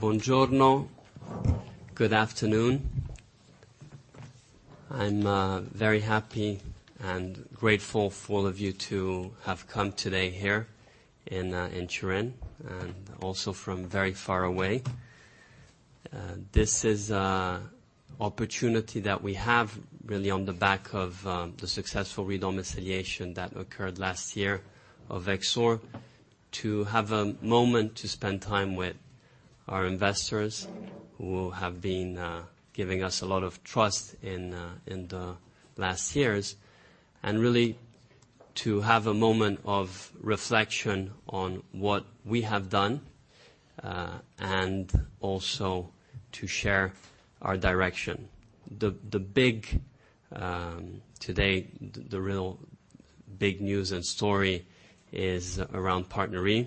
Buongiorno. Good afternoon. I am very happy and grateful for all of you to have come today here in Turin, also from very far away. This is an opportunity that we have really on the back of the successful re-domiciliation that occurred last year of Exor, to have a moment to spend time with our investors who have been giving us a lot of trust in the last years, really to have a moment of reflection on what we have done, also to share our direction. Today, the real big news and story is around PartnerRe.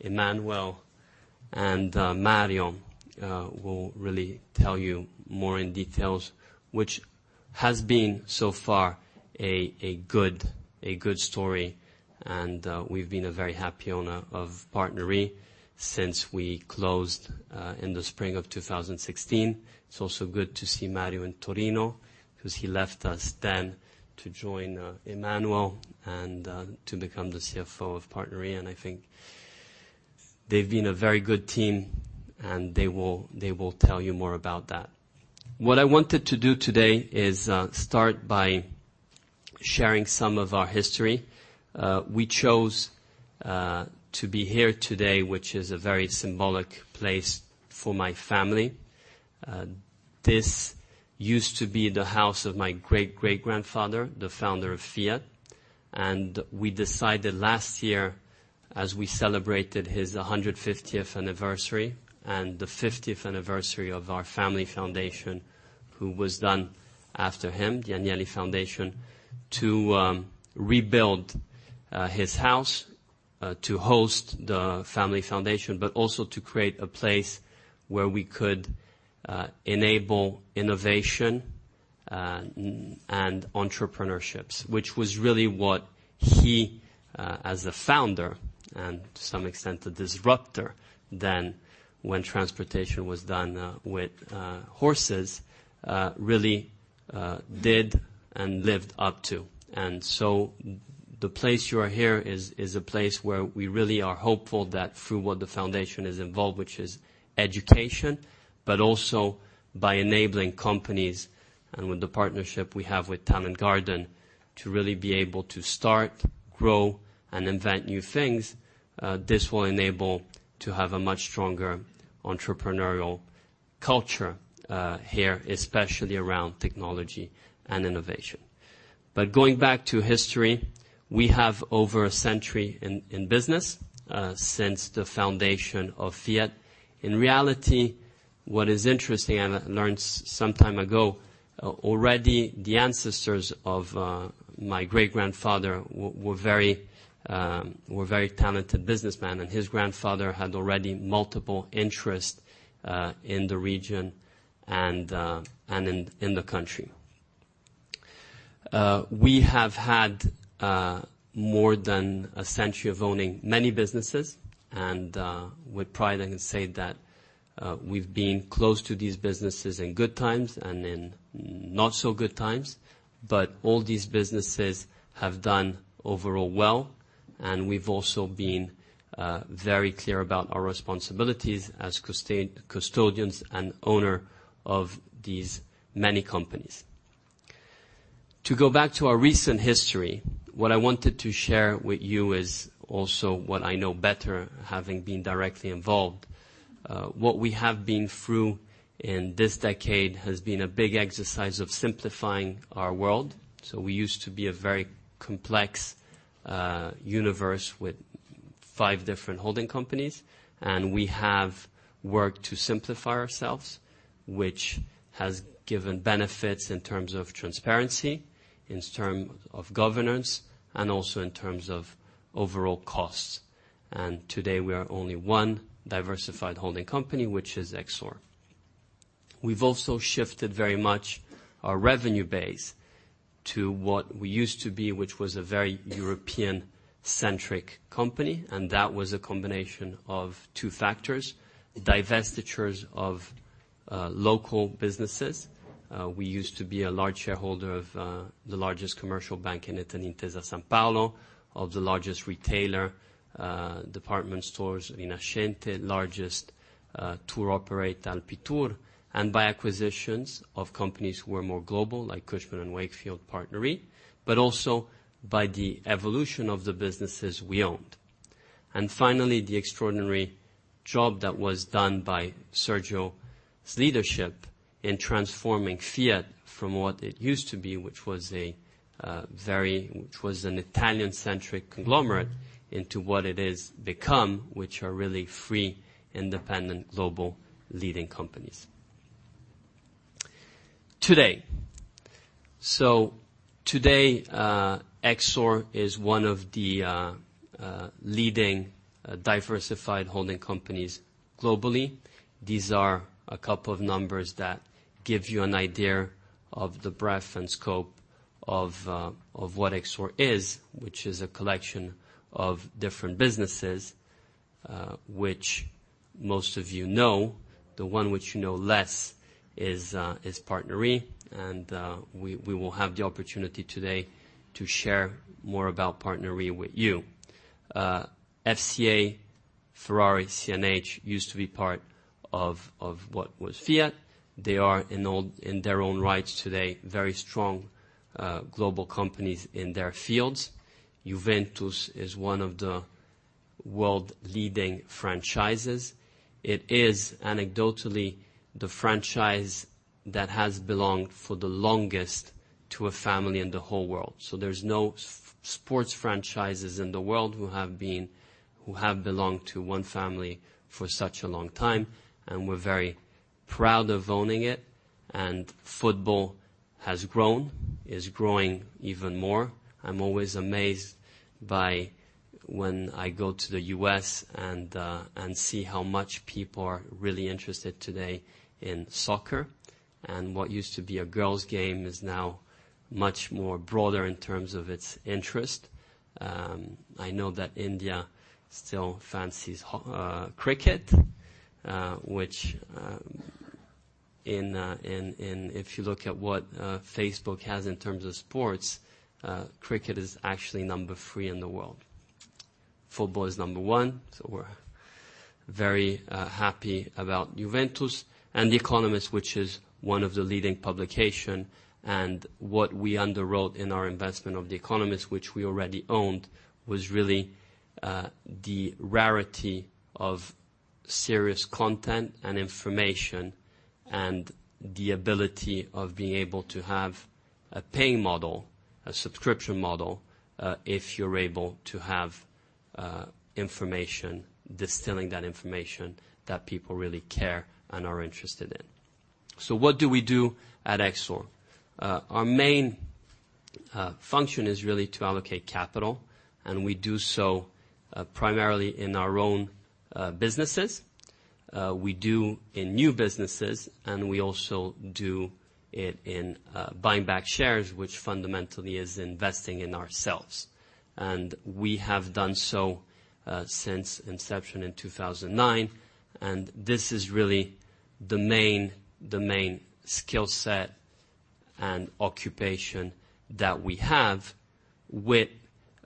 Emmanuel and Mario will really tell you more in details, which has been so far a good story, and we have been a very happy owner of PartnerRe since we closed in the spring of 2016. It is also good to see Mario in Torino because he left us then to join Emmanuel and to become the CFO of PartnerRe. I think they have been a very good team, and they will tell you more about that. What I wanted to do today is start by sharing some of our history. We chose to be here today, which is a very symbolic place for my family. This used to be the house of my great-great-grandfather, the founder of Fiat. We decided last year, as we celebrated his 150th anniversary and the 50th anniversary of our family foundation, who was done after him, the Agnelli Foundation, to rebuild his house, to host the family foundation, but also to create a place where we could enable innovation and entrepreneurship, which was really what he, as the founder and to some extent the disruptor then, when transportation was done with horses, really did and lived up to. The place you are here is a place where we really are hopeful that through what the foundation is involved, which is education, but also by enabling companies and with the partnership we have with Talent Garden, to really be able to start, grow, and invent new things. This will enable to have a much stronger entrepreneurial culture here, especially around technology and innovation. Going back to history, we have over a century in business, since the foundation of Fiat. In reality, what is interesting, I learned some time ago, already the ancestors of my great-grandfather were very talented businessmen. His grandfather had already multiple interests in the region and in the country. We have had more than a century of owning many businesses. With pride I can say that we have been close to these businesses in good times and in not so good times, but all these businesses have done overall well. We have also been very clear about our responsibilities as custodians and owner of these many companies. To go back to our recent history, what I wanted to share with you is also what I know better, having been directly involved. What we have been through in this decade has been a big exercise of simplifying our world. We used to be a very complex universe with five different holding companies, and we have worked to simplify ourselves, which has given benefits in terms of transparency, in term of governance, and also in terms of overall costs. Today, we are only one diversified holding company, which is Exor. We've also shifted very much our revenue base to what we used to be, which was a very European-centric company, and that was a combination of two factors: divestitures of local businesses. We used to be a large shareholder of the largest commercial bank in Italy, Intesa Sanpaolo, of the largest retailer, department stores, Rinascente, largest tour operator, Alpitour, and by acquisitions of companies who are more global, like Cushman & Wakefield, PartnerRe, but also by the evolution of the businesses we owned. Finally, the extraordinary job that was done by Sergio's leadership in transforming Fiat from what it used to be, which was an Italian-centric conglomerate into what it is become, which are really free, independent, global leading companies. Today. Today, Exor is one of the leading diversified holding companies globally. These are a couple of numbers that give you an idea of the breadth and scope of what Exor is, which is a collection of different businesses, which most of you know. The one which you know less is PartnerRe, and we will have the opportunity today to share more about PartnerRe with you. FCA, Ferrari, CNH, used to be part of what was Fiat. They are in their own rights today, very strong global companies in their fields. Juventus is one of the world-leading franchises. It is anecdotally the franchise that has belonged for the longest to a family in the whole world. There's no sports franchises in the world who have belonged to one family for such a long time, and we're very proud of owning it. Football has grown, is growing even more. I'm always amazed by when I go to the U.S. and see how much people are really interested today in soccer, and what used to be a girls game is now much more broader in terms of its interest. I know that India still fancies cricket, which if you look at what Facebook has in terms of sports, cricket is actually number 3 in the world. Football is number 1. We're very happy about Juventus, and The Economist, which is one of the leading publication. What we underwrote in our investment of The Economist, which we already owned, was really the rarity of serious content and information, and the ability of being able to have a paying model, a subscription model, if you're able to have information, distilling that information that people really care and are interested in. What do we do at Exor? Our main function is really to allocate capital, and we do so primarily in our own businesses. We do in new businesses, and we also do it in buying back shares, which fundamentally is investing in ourselves. We have done so since inception in 2009. This is really the main skill set and occupation that we have with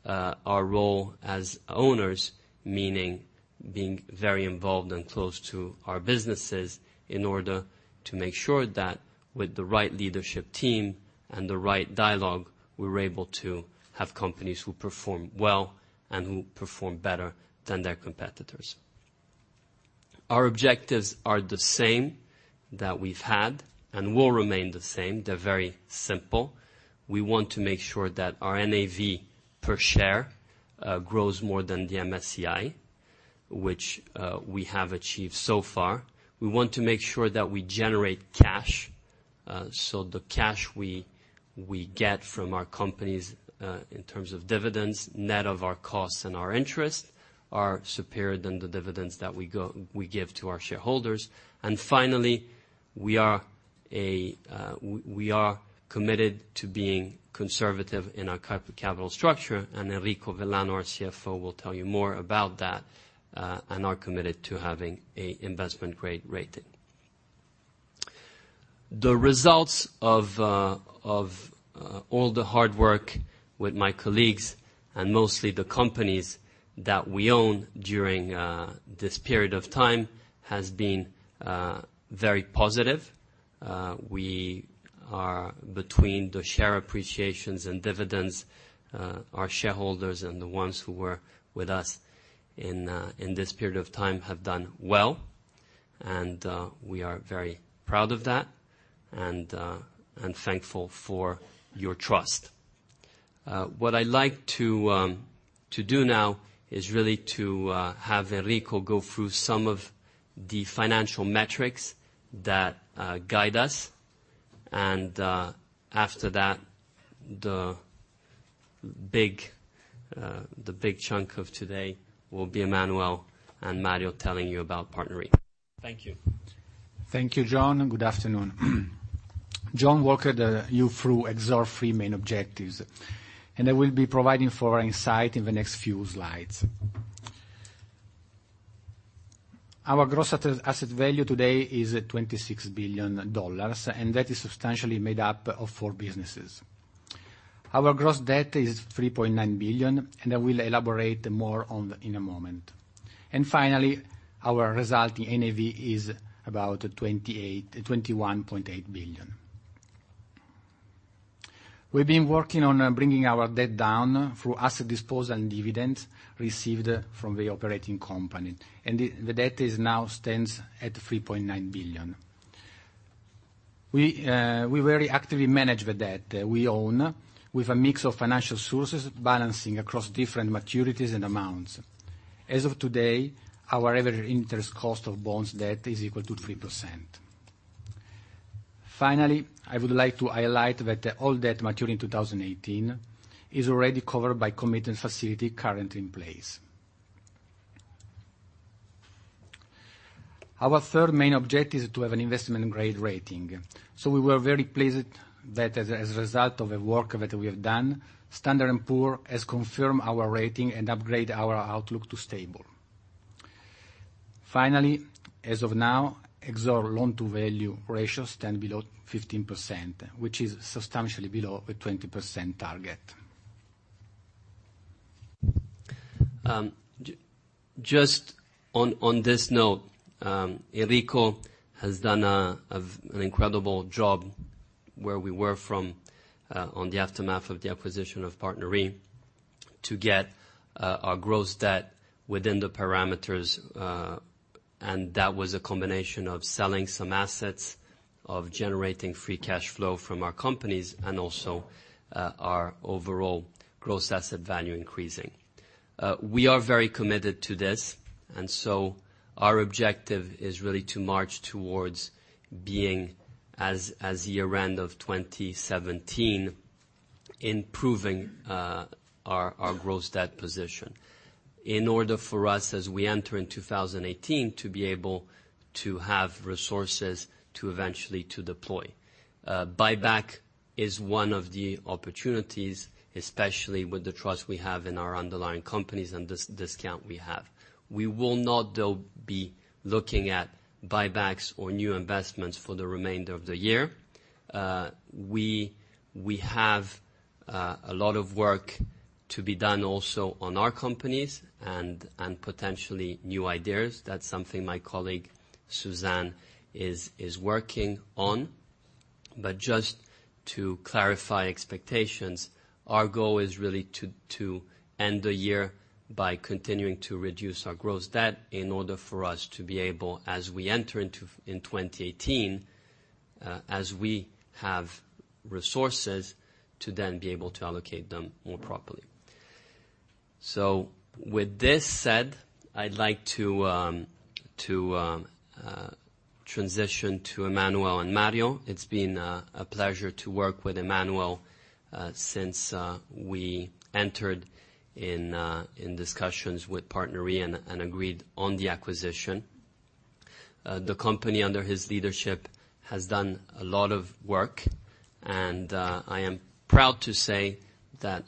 our role as owners, meaning being very involved and close to our businesses in order to make sure that with the right leadership team and the right dialogue, we're able to have companies who perform well and who perform better than their competitors. Our objectives are the same that we've had and will remain the same. They're very simple. We want to make sure that our NAV per share grows more than the MSCI, which we have achieved so far. We want to make sure that we generate cash, so the cash we get from our companies, in terms of dividends, net of our costs and our interest, are superior than the dividends that we give to our shareholders. Finally, we are committed to being conservative in our capital structure, Enrico Vellano, our CFO, will tell you more about that, and are committed to having an investment-grade rating. The results of all the hard work with my colleagues and mostly the companies that we own during this period of time has been very positive. Between the share appreciations and dividends, our shareholders and the ones who were with us in this period of time have done well, and we are very proud of that and thankful for your trust. What I'd like to do now is really to have Enrico go through some of the financial metrics that guide us. After that, the big chunk of today will be Emmanuel and Mario telling you about PartnerRe. Thank you. Thank you, John. Good afternoon. John walked you through Exor three main objectives. I will be providing further insight in the next few slides. Our gross asset value today is $26 billion, that is substantially made up of four businesses. Our gross debt is $3.9 billion. I will elaborate more on that in a moment. Our resulting NAV is about $21.8 billion. We've been working on bringing our debt down through asset disposal and dividends received from the operating company, and the debt now stands at $3.9 billion. We very actively manage the debt we own with a mix of financial sources balancing across different maturities and amounts. As of today, our average interest cost of bonds debt is equal to 3%. I would like to highlight that all debt maturing 2018 is already covered by commitment facility currently in place. Our third main objective is to have an investment-grade rating. We were very pleased that as a result of the work that we have done, Standard & Poor's has confirmed our rating and upgraded our outlook to stable. As of now, Exor loan-to-value ratio stands below 15%, which is substantially below the 20% target. Just on this note, Enrico has done an incredible job where we were from on the aftermath of the acquisition of PartnerRe to get our gross debt within the parameters. That was a combination of selling some assets, of generating free cash flow from our companies, and also our overall gross asset value increasing. We are very committed to this. Our objective is really to march towards being, as year-end of 2017, improving our gross debt position. In order for us, as we enter in 2018, to be able to have resources to eventually to deploy. Buyback is one of the opportunities, especially with the trust we have in our underlying companies and discount we have. We will not, though, be looking at buybacks or new investments for the remainder of the year. We have a lot of work to be done also on our companies and potentially new ideas. That's something my colleague Suzanne is working on. Just to clarify expectations, our goal is really to end the year by continuing to reduce our gross debt in order for us to be able, as we enter in 2018, as we have resources, to then be able to allocate them more properly. With this said, I'd like to transition to Emmanuel and Mario. It's been a pleasure to work with Emmanuel since we entered in discussions with PartnerRe and agreed on the acquisition. The company, under his leadership, has done a lot of work, and I am proud to say that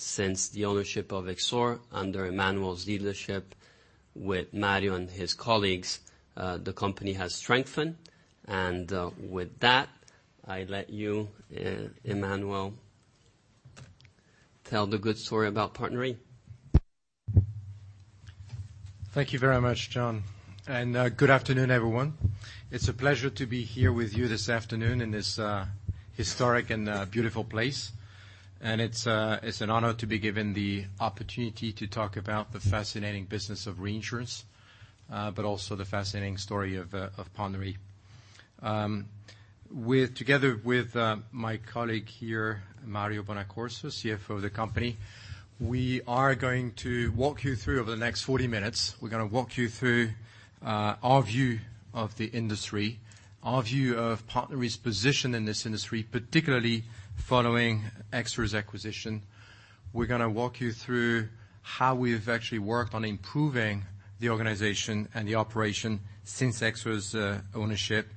since the ownership of Exor, under Emmanuel's leadership with Mario and his colleagues, the company has strengthened. With that, I let you, Emmanuel, tell the good story about PartnerRe. Thank you very much, John. Good afternoon, everyone. It's a pleasure to be here with you this afternoon in this historic and beautiful place. It's an honor to be given the opportunity to talk about the fascinating business of reinsurance, but also the fascinating story of PartnerRe. Together with my colleague here, Mario Bonaccorso, CFO of the company, we are going to walk you through over the next 40 minutes. We're going to walk you through our view of the industry, our view of PartnerRe's position in this industry, particularly following Exor's acquisition. We're going to walk you through how we've actually worked on improving the organization and the operation since Exor's ownership.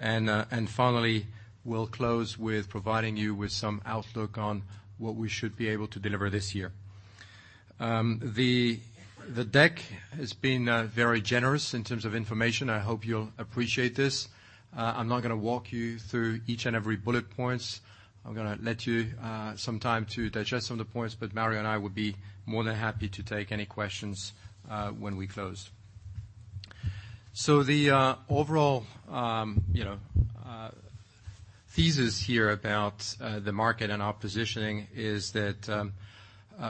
Finally, we'll close with providing you with some outlook on what we should be able to deliver this year. The deck has been very generous in terms of information. I hope you'll appreciate this. I'm not going to walk you through each and every bullet points. I'm going to let you some time to digest some of the points, but Mario and I will be more than happy to take any questions when we close. The overall thesis here about the market and our positioning is that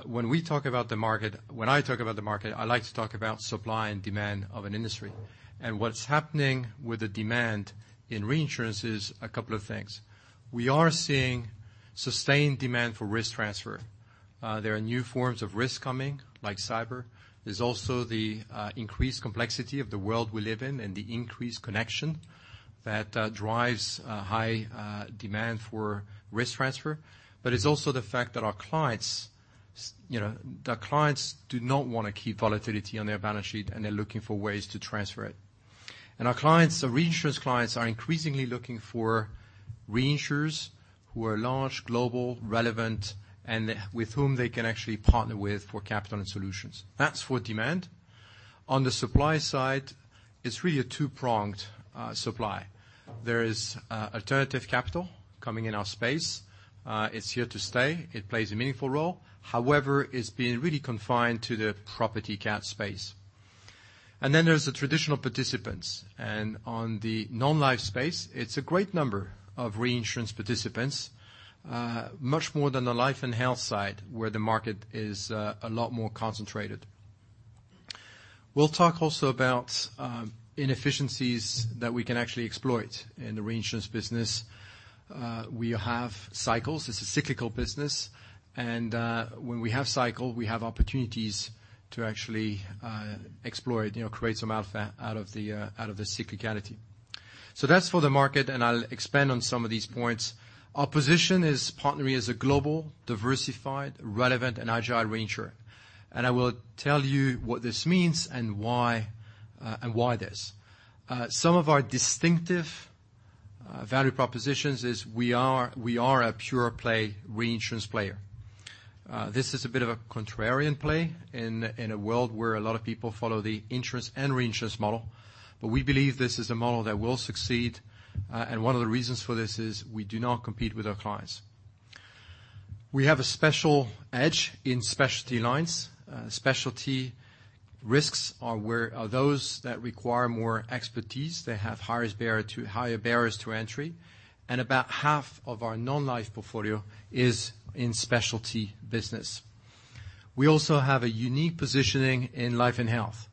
when we talk about the market, when I talk about the market, I like to talk about supply and demand of an industry. What's happening with the demand in reinsurance is a couple of things. We are seeing sustained demand for risk transfer. There are new forms of risk coming, like cyber. There's also the increased complexity of the world we live in and the increased connection that drives high demand for risk transfer. It's also the fact that our clients do not want to keep volatility on their balance sheet, and they're looking for ways to transfer it. Our reinsurance clients are increasingly looking for reinsurers who are large, global, relevant, and with whom they can actually partner with for capital and solutions. That's for demand. On the supply side, it's really a two-pronged supply. There is alternative capital coming in our space. It's here to stay. It plays a meaningful role. However, it's been really confined to the property cat space. Then there's the traditional participants. On the non-life space, it's a great number of reinsurance participants. Much more than the life and health side, where the market is a lot more concentrated. We'll talk also about inefficiencies that we can actually exploit in the reinsurance business. We have cycles. This is cyclical business. When we have cycle, we have opportunities to actually exploit, create some alpha out of the cyclicality. That's for the market, and I'll expand on some of these points. Our position is PartnerRe as a global, diversified, relevant, and agile reinsurer. I will tell you what this means and why this. Some of our distinctive value propositions is we are a pure play reinsurance player. This is a bit of a contrarian play in a world where a lot of people follow the insurance and reinsurance model. We believe this is a model that will succeed, and one of the reasons for this is we do not compete with our clients. We have a special edge in specialty lines. Specialty risks are those that require more expertise. They have higher barriers to entry, and about half of our non-life portfolio is in specialty business. We also have a unique positioning in life and health.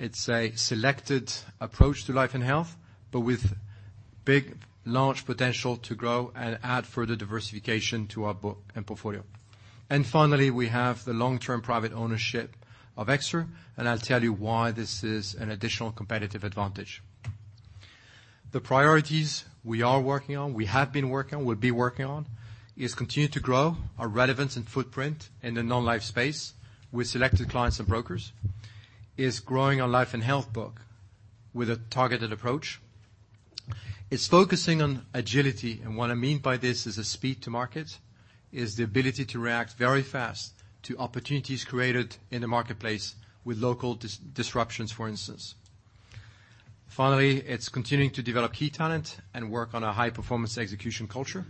It's a selected approach to life and health, but with big, large potential to grow and add further diversification to our book and portfolio. Finally, we have the long-term private ownership of Exor, and I'll tell you why this is an additional competitive advantage. The priorities we are working on, we have been working, we'll be working on is continue to grow our relevance and footprint in the non-life space with selected clients and brokers. Is growing our life and health book with a targeted approach. Is focusing on agility, and what I mean by this is the speed to market. Is the ability to react very fast to opportunities created in the marketplace with local disruptions, for instance. Finally, it's continuing to develop key talent and work on a high-performance execution culture.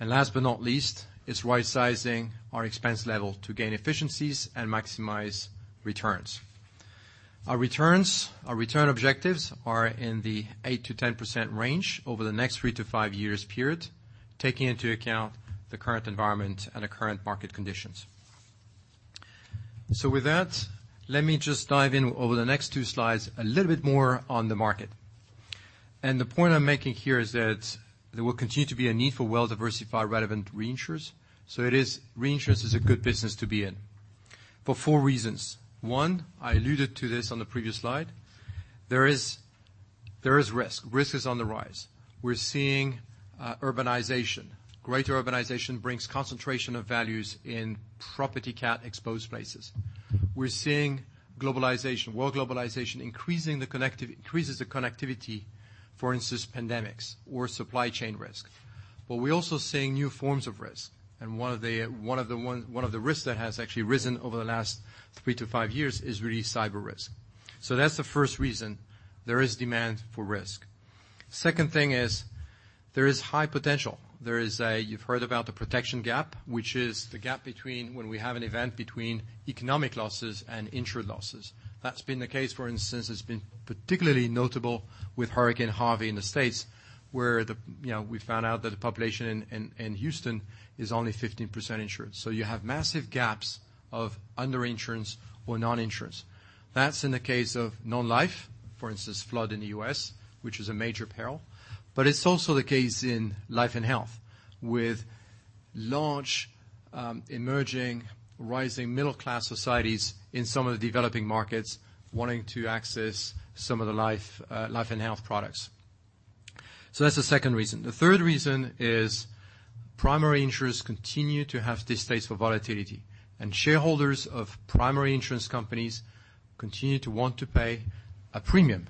Last but not least, it is right-sizing our expense level to gain efficiencies and maximize returns. Our return objectives are in the 8%-10% range over the next 3-5 years period, taking into account the current environment and the current market conditions. With that, let me just dive in over the next two slides a little bit more on the market. The point I am making here is that there will continue to be a need for well-diversified relevant reinsurers. Reinsurance is a good business to be in for four reasons. One, I alluded to this on the previous slide. There is risk. Risk is on the rise. We are seeing urbanization. Greater urbanization brings concentration of values in property cat exposed places. We are seeing globalization, world globalization, increases the connectivity, for instance, pandemics or supply chain risk. We are also seeing new forms of risk, and one of the risks that has actually risen over the last 3-5 years is really cyber risk. That is the first reason there is demand for risk. Second thing is there is high potential. You have heard about the protection gap, which is the gap between when we have an event between economic losses and insured losses. That has been the case, for instance, it has been particularly notable with Hurricane Harvey in the U.S., where we found out that the population in Houston is only 15% insured. You have massive gaps of underinsurance or non-insurance. That is in the case of non-life, for instance, flood in the U.S., which is a major peril, but it is also the case in life and health with large, emerging, rising middle-class societies in some of the developing markets wanting to access some of the life and health products. That is the second reason. The third reason is primary insurers continue to have these days of volatility, and shareholders of primary insurance companies continue to want to pay a premium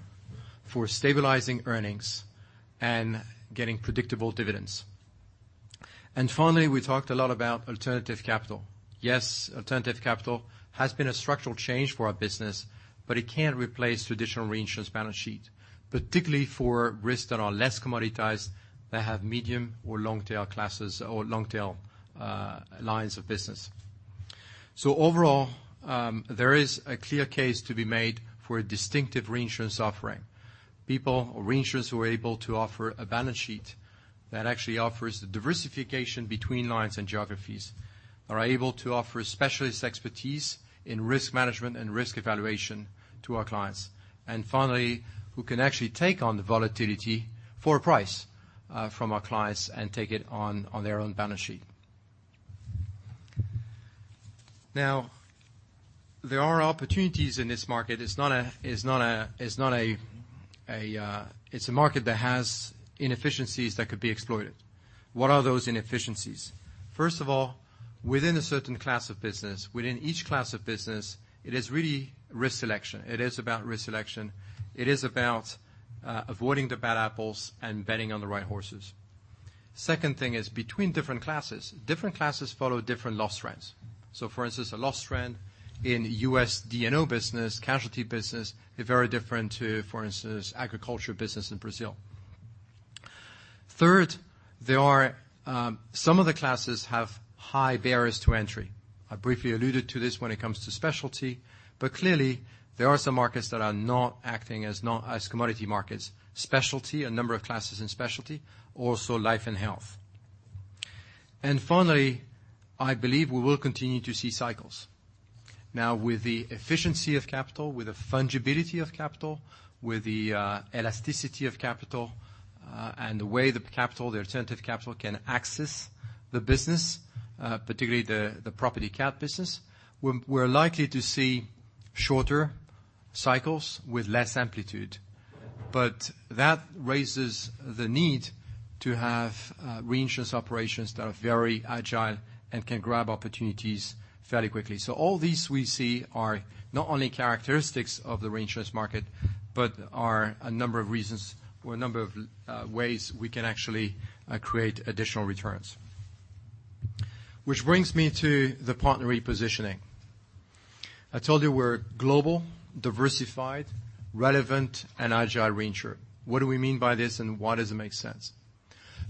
for stabilizing earnings and getting predictable dividends. Finally, we talked a lot about alternative capital. Yes, alternative capital has been a structural change for our business, but it cannot replace traditional reinsurance balance sheet, particularly for risks that are less commoditized, that have medium or long tail classes or long tail lines of business. Overall, there is a clear case to be made for a distinctive reinsurance offering. Reinsurers who are able to offer a balance sheet that actually offers the diversification between lines and geographies, are able to offer specialist expertise in risk management and risk evaluation to our clients. Finally, who can actually take on the volatility for a price from our clients and take it on their own balance sheet. There are opportunities in this market. It is a market that has inefficiencies that could be exploited. What are those inefficiencies? First of all, within a certain class of business, within each class of business, it is really risk selection. It is about risk selection. It is about avoiding the bad apples and betting on the right horses. Second thing is between different classes. Different classes follow different loss trends. For instance, a loss trend in U.S. D&O business, casualty business, is very different to, for instance, agriculture business in Brazil. Third, some of the classes have high barriers to entry. I briefly alluded to this when it comes to specialty, but clearly, there are some markets that are not acting as commodity markets. Specialty, a number of classes in specialty, also life and health. Finally, I believe we will continue to see cycles. With the efficiency of capital, with the fungibility of capital, with the elasticity of capital the way the alternative capital can access the business, particularly the property cat business. We're likely to see shorter cycles with less amplitude. That raises the need to have reinsurance operations that are very agile and can grab opportunities fairly quickly. All these we see are not only characteristics of the reinsurance market, but are a number of reasons for a number of ways we can actually create additional returns. Which brings me to the PartnerRe positioning. I told you we're a global, diversified, relevant, and agile reinsurer. What do we mean by this and why does it make sense?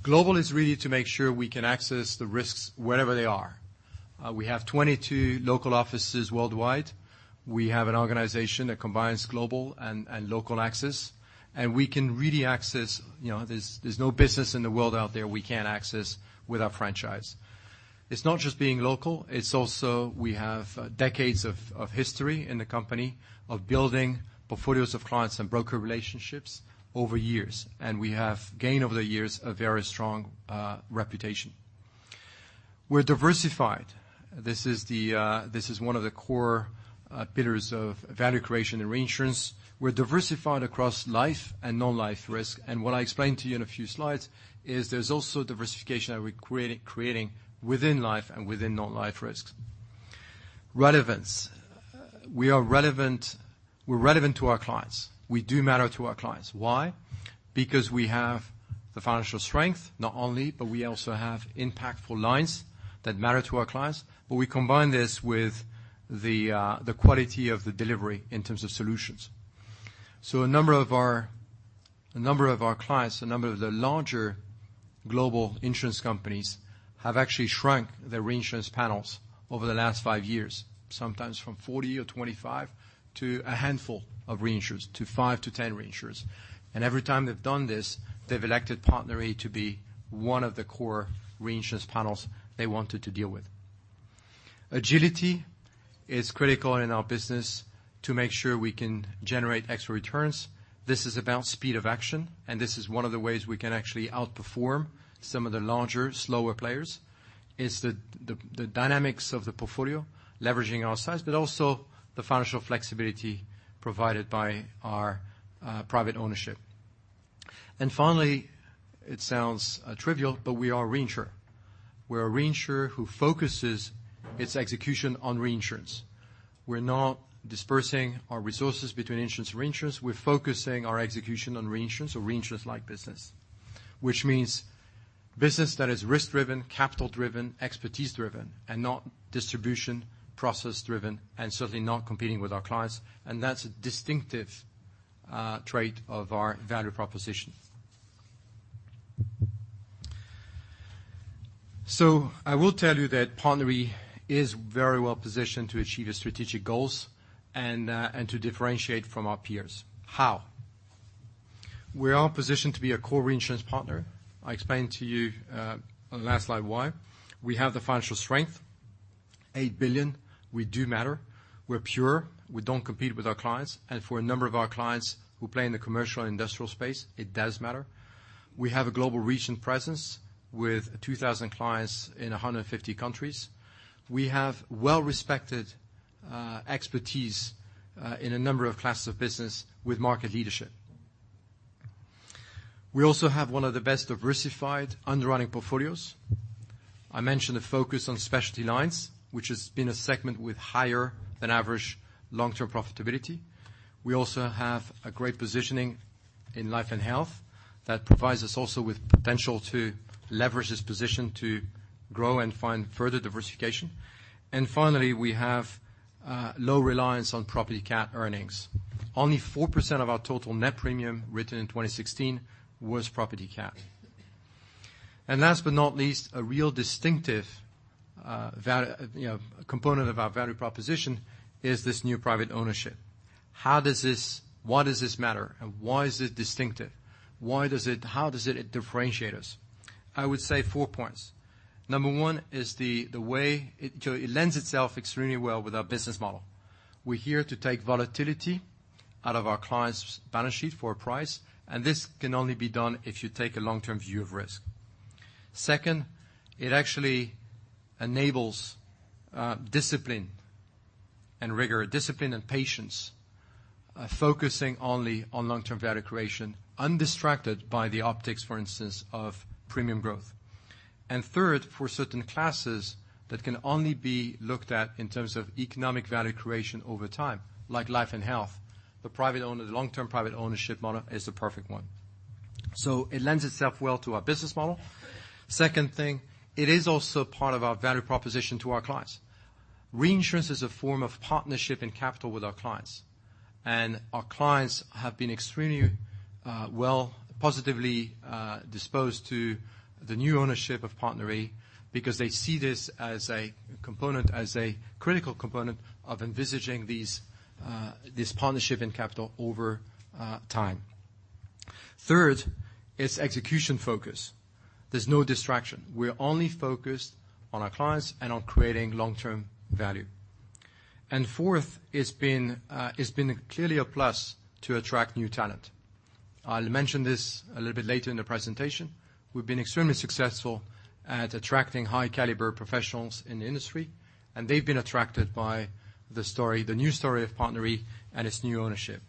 Global is really to make sure we can access the risks wherever they are. We have 22 local offices worldwide. We have an organization that combines global and local access, and we can really there's no business in the world out there we can't access with our franchise. It's not just being local, it's also we have decades of history in the company of building portfolios of clients and broker relationships over years. We have gained, over the years, a very strong reputation. We're diversified. This is one of the core pillars of value creation and reinsurance. We're diversified across life and non-life risk. What I explained to you in a few slides is there's also diversification that we're creating within life and within non-life risks. Relevance. We're relevant to our clients. We do matter to our clients. Why? Because we have the financial strength, not only, but we also have impactful lines that matter to our clients. We combine this with the quality of the delivery in terms of solutions. A number of our clients, a number of the larger global insurance companies, have actually shrunk their reinsurance panels over the last five years. Sometimes from 40 or 25 to a handful of reinsurers, to 5 to 10 reinsurers. Every time they've done this, they've elected PartnerRe to be one of the core reinsurance panels they wanted to deal with. Agility is critical in our business to make sure we can generate extra returns. This is about speed of action, and this is one of the ways we can actually outperform some of the larger, slower players. It's the dynamics of the portfolio, leveraging our size, but also the financial flexibility provided by our private ownership. Finally, it sounds trivial, but we are a reinsurer. We're a reinsurer who focuses its execution on reinsurance. We're not dispersing our resources between insurance and reinsurance. We're focusing our execution on reinsurance or reinsurance-like business. Which means business that is risk driven, capital driven, expertise driven, and not distribution process driven, and certainly not competing with our clients. That's a distinctive trait of our value proposition. I will tell you that PartnerRe is very well positioned to achieve its strategic goals and to differentiate from our peers. How? We are positioned to be a core reinsurance partner. I explained to you on the last slide why. We have the financial strength. $8 billion. We do matter. We're pure. We don't compete with our clients. For a number of our clients who play in the commercial and industrial space, it does matter. We have a global region presence with 2,000 clients in 150 countries. We have well-respected expertise in a number of classes of business with market leadership. We also have one of the best diversified underwriting portfolios. I mentioned a focus on specialty lines, which has been a segment with higher than average long-term profitability. We also have a great positioning in life and health that provides us also with potential to leverage this position to grow and find further diversification. Finally, we have low reliance on property cat earnings. Only 4% of our total net premium written in 2016 was property cat. Last but not least, a real distinctive component of our value proposition is this new private ownership. Why does this matter and why is it distinctive? How does it differentiate us? I would say four points. Number one is the way it lends itself extremely well with our business model. We're here to take volatility out of our clients' balance sheet for a price, and this can only be done if you take a long-term view of risk. Second, it actually enables discipline and rigor. Discipline and patience, focusing only on long-term value creation, undistracted by the optics, for instance, of premium growth. Third, for certain classes that can only be looked at in terms of economic value creation over time, like life and health. The long-term private ownership model is the perfect one. It lends itself well to our business model. Second thing, it is also part of our value proposition to our clients. Reinsurance is a form of partnership and capital with our clients. Our clients have been extremely positively disposed to the new ownership of PartnerRe because they see this as a critical component of envisaging this partnership in capital over time. Third, it's execution focus. There's no distraction. We're only focused on our clients and on creating long-term value. Fourth, it's been clearly a plus to attract new talent. I'll mention this a little bit later in the presentation. We've been extremely successful at attracting high caliber professionals in the industry, and they've been attracted by the new story of PartnerRe and its new ownership.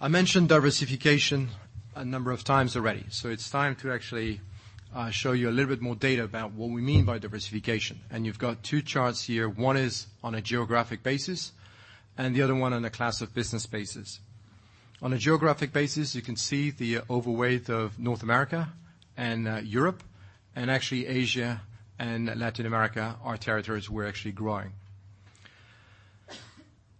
I mentioned diversification a number of times already. It's time to actually show you a little bit more data about what we mean by diversification. You've got two charts here. One is on a geographic basis, and the other one on a class of business basis. On a geographic basis, you can see the overweight of North America and Europe, actually Asia and Latin America are territories we're actually growing.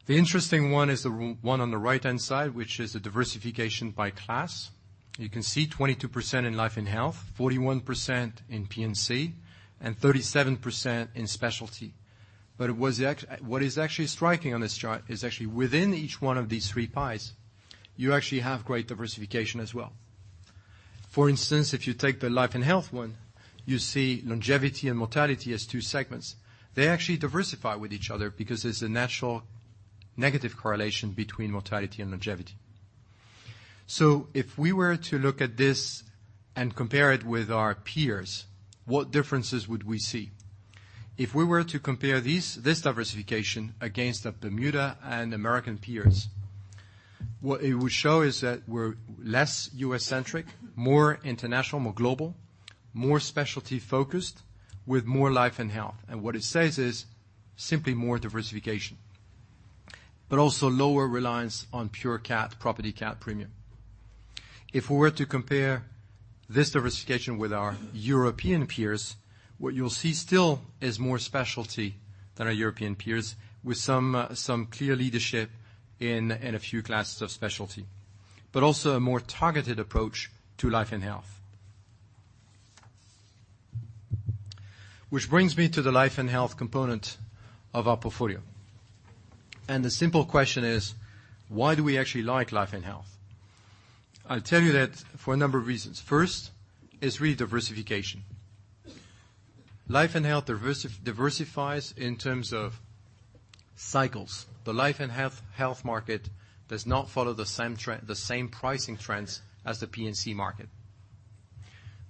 The interesting one is the one on the right-hand side, which is the diversification by class. You can see 22% in life and health, 41% in P&C, and 37% in specialty. What is actually striking on this chart is actually within each one of these three pies, you actually have great diversification as well. For instance, if you take the life and health one, you see longevity and mortality as two segments. They actually diversify with each other because there's a natural negative correlation between mortality and longevity. If we were to look at this and compare it with our peers, what differences would we see? If we were to compare this diversification against the Bermuda and American peers, what it would show is that we're less U.S.-centric, more international, more global, more specialty focused, with more life and health. What it says is simply more diversification, but also lower reliance on pure cat property, cat premium. If we were to compare this diversification with our European peers, what you'll see still is more specialty than our European peers, with some clear leadership in a few classes of specialty. Also a more targeted approach to life and health. Which brings me to the life and health component of our portfolio. The simple question is, why do we actually like life and health? I'll tell you that for a number of reasons. First is really diversification. Life and health diversifies in terms of cycles. The life and health market does not follow the same pricing trends as the P&C market.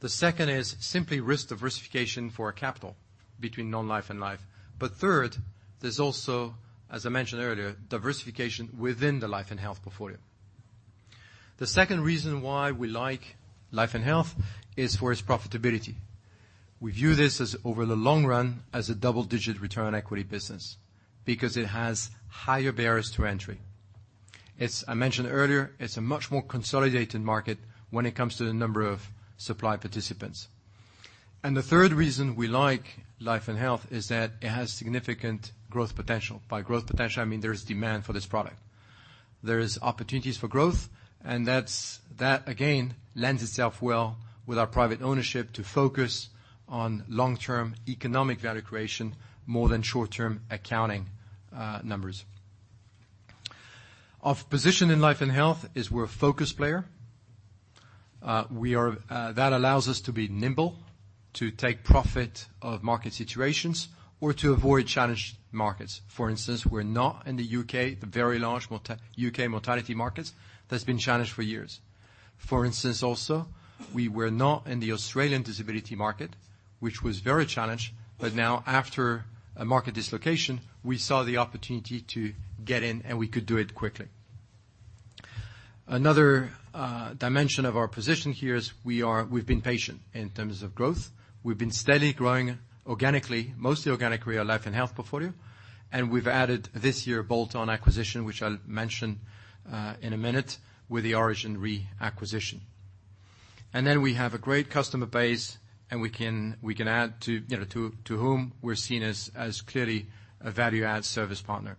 The second is simply risk diversification for our capital between non-life and life. Third, there's also, as I mentioned earlier, diversification within the life and health portfolio. The second reason why we like life and health is for its profitability. We view this as over the long run, as a double-digit return equity business because it has higher barriers to entry. I mentioned earlier, it's a much more consolidated market when it comes to the number of supply participants. The third reason we like life and health is that it has significant growth potential. By growth potential, I mean there is demand for this product. There is opportunities for growth, that again lends itself well with our private ownership to focus on long-term economic value creation more than short-term accounting numbers. Our position in life and health is we're a focus player. That allows us to be nimble, to take profit of market situations, or to avoid challenged markets. For instance, we're not in the U.K., the very large U.K. mortality markets that's been challenged for years. For instance, also, we were not in the Australian disability market, which was very challenged. Now after a market dislocation, we saw the opportunity to get in, and we could do it quickly. Another dimension of our position here is we've been patient in terms of growth. We've been steadily growing organically, mostly organically, our life and health portfolio. We've added this year bolt-on acquisition, which I'll mention in a minute, with the Aurigen acquisition. We have a great customer base, to whom we're seen as clearly a value add service partner.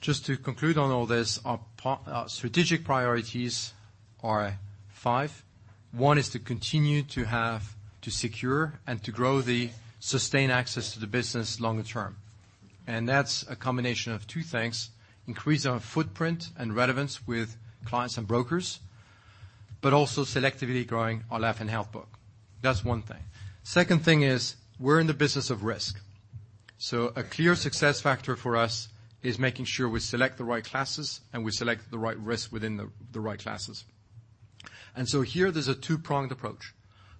Just to conclude on all this, our strategic priorities are five. One is to continue to have, to secure, and to grow the sustained access to the business longer term. That's a combination of two things. Increase our footprint and relevance with clients and brokers, also selectively growing our life and health book. That's one thing. Second thing is we're in the business of risk. A clear success factor for us is making sure we select the right classes and we select the right risk within the right classes. Here there's a two-pronged approach.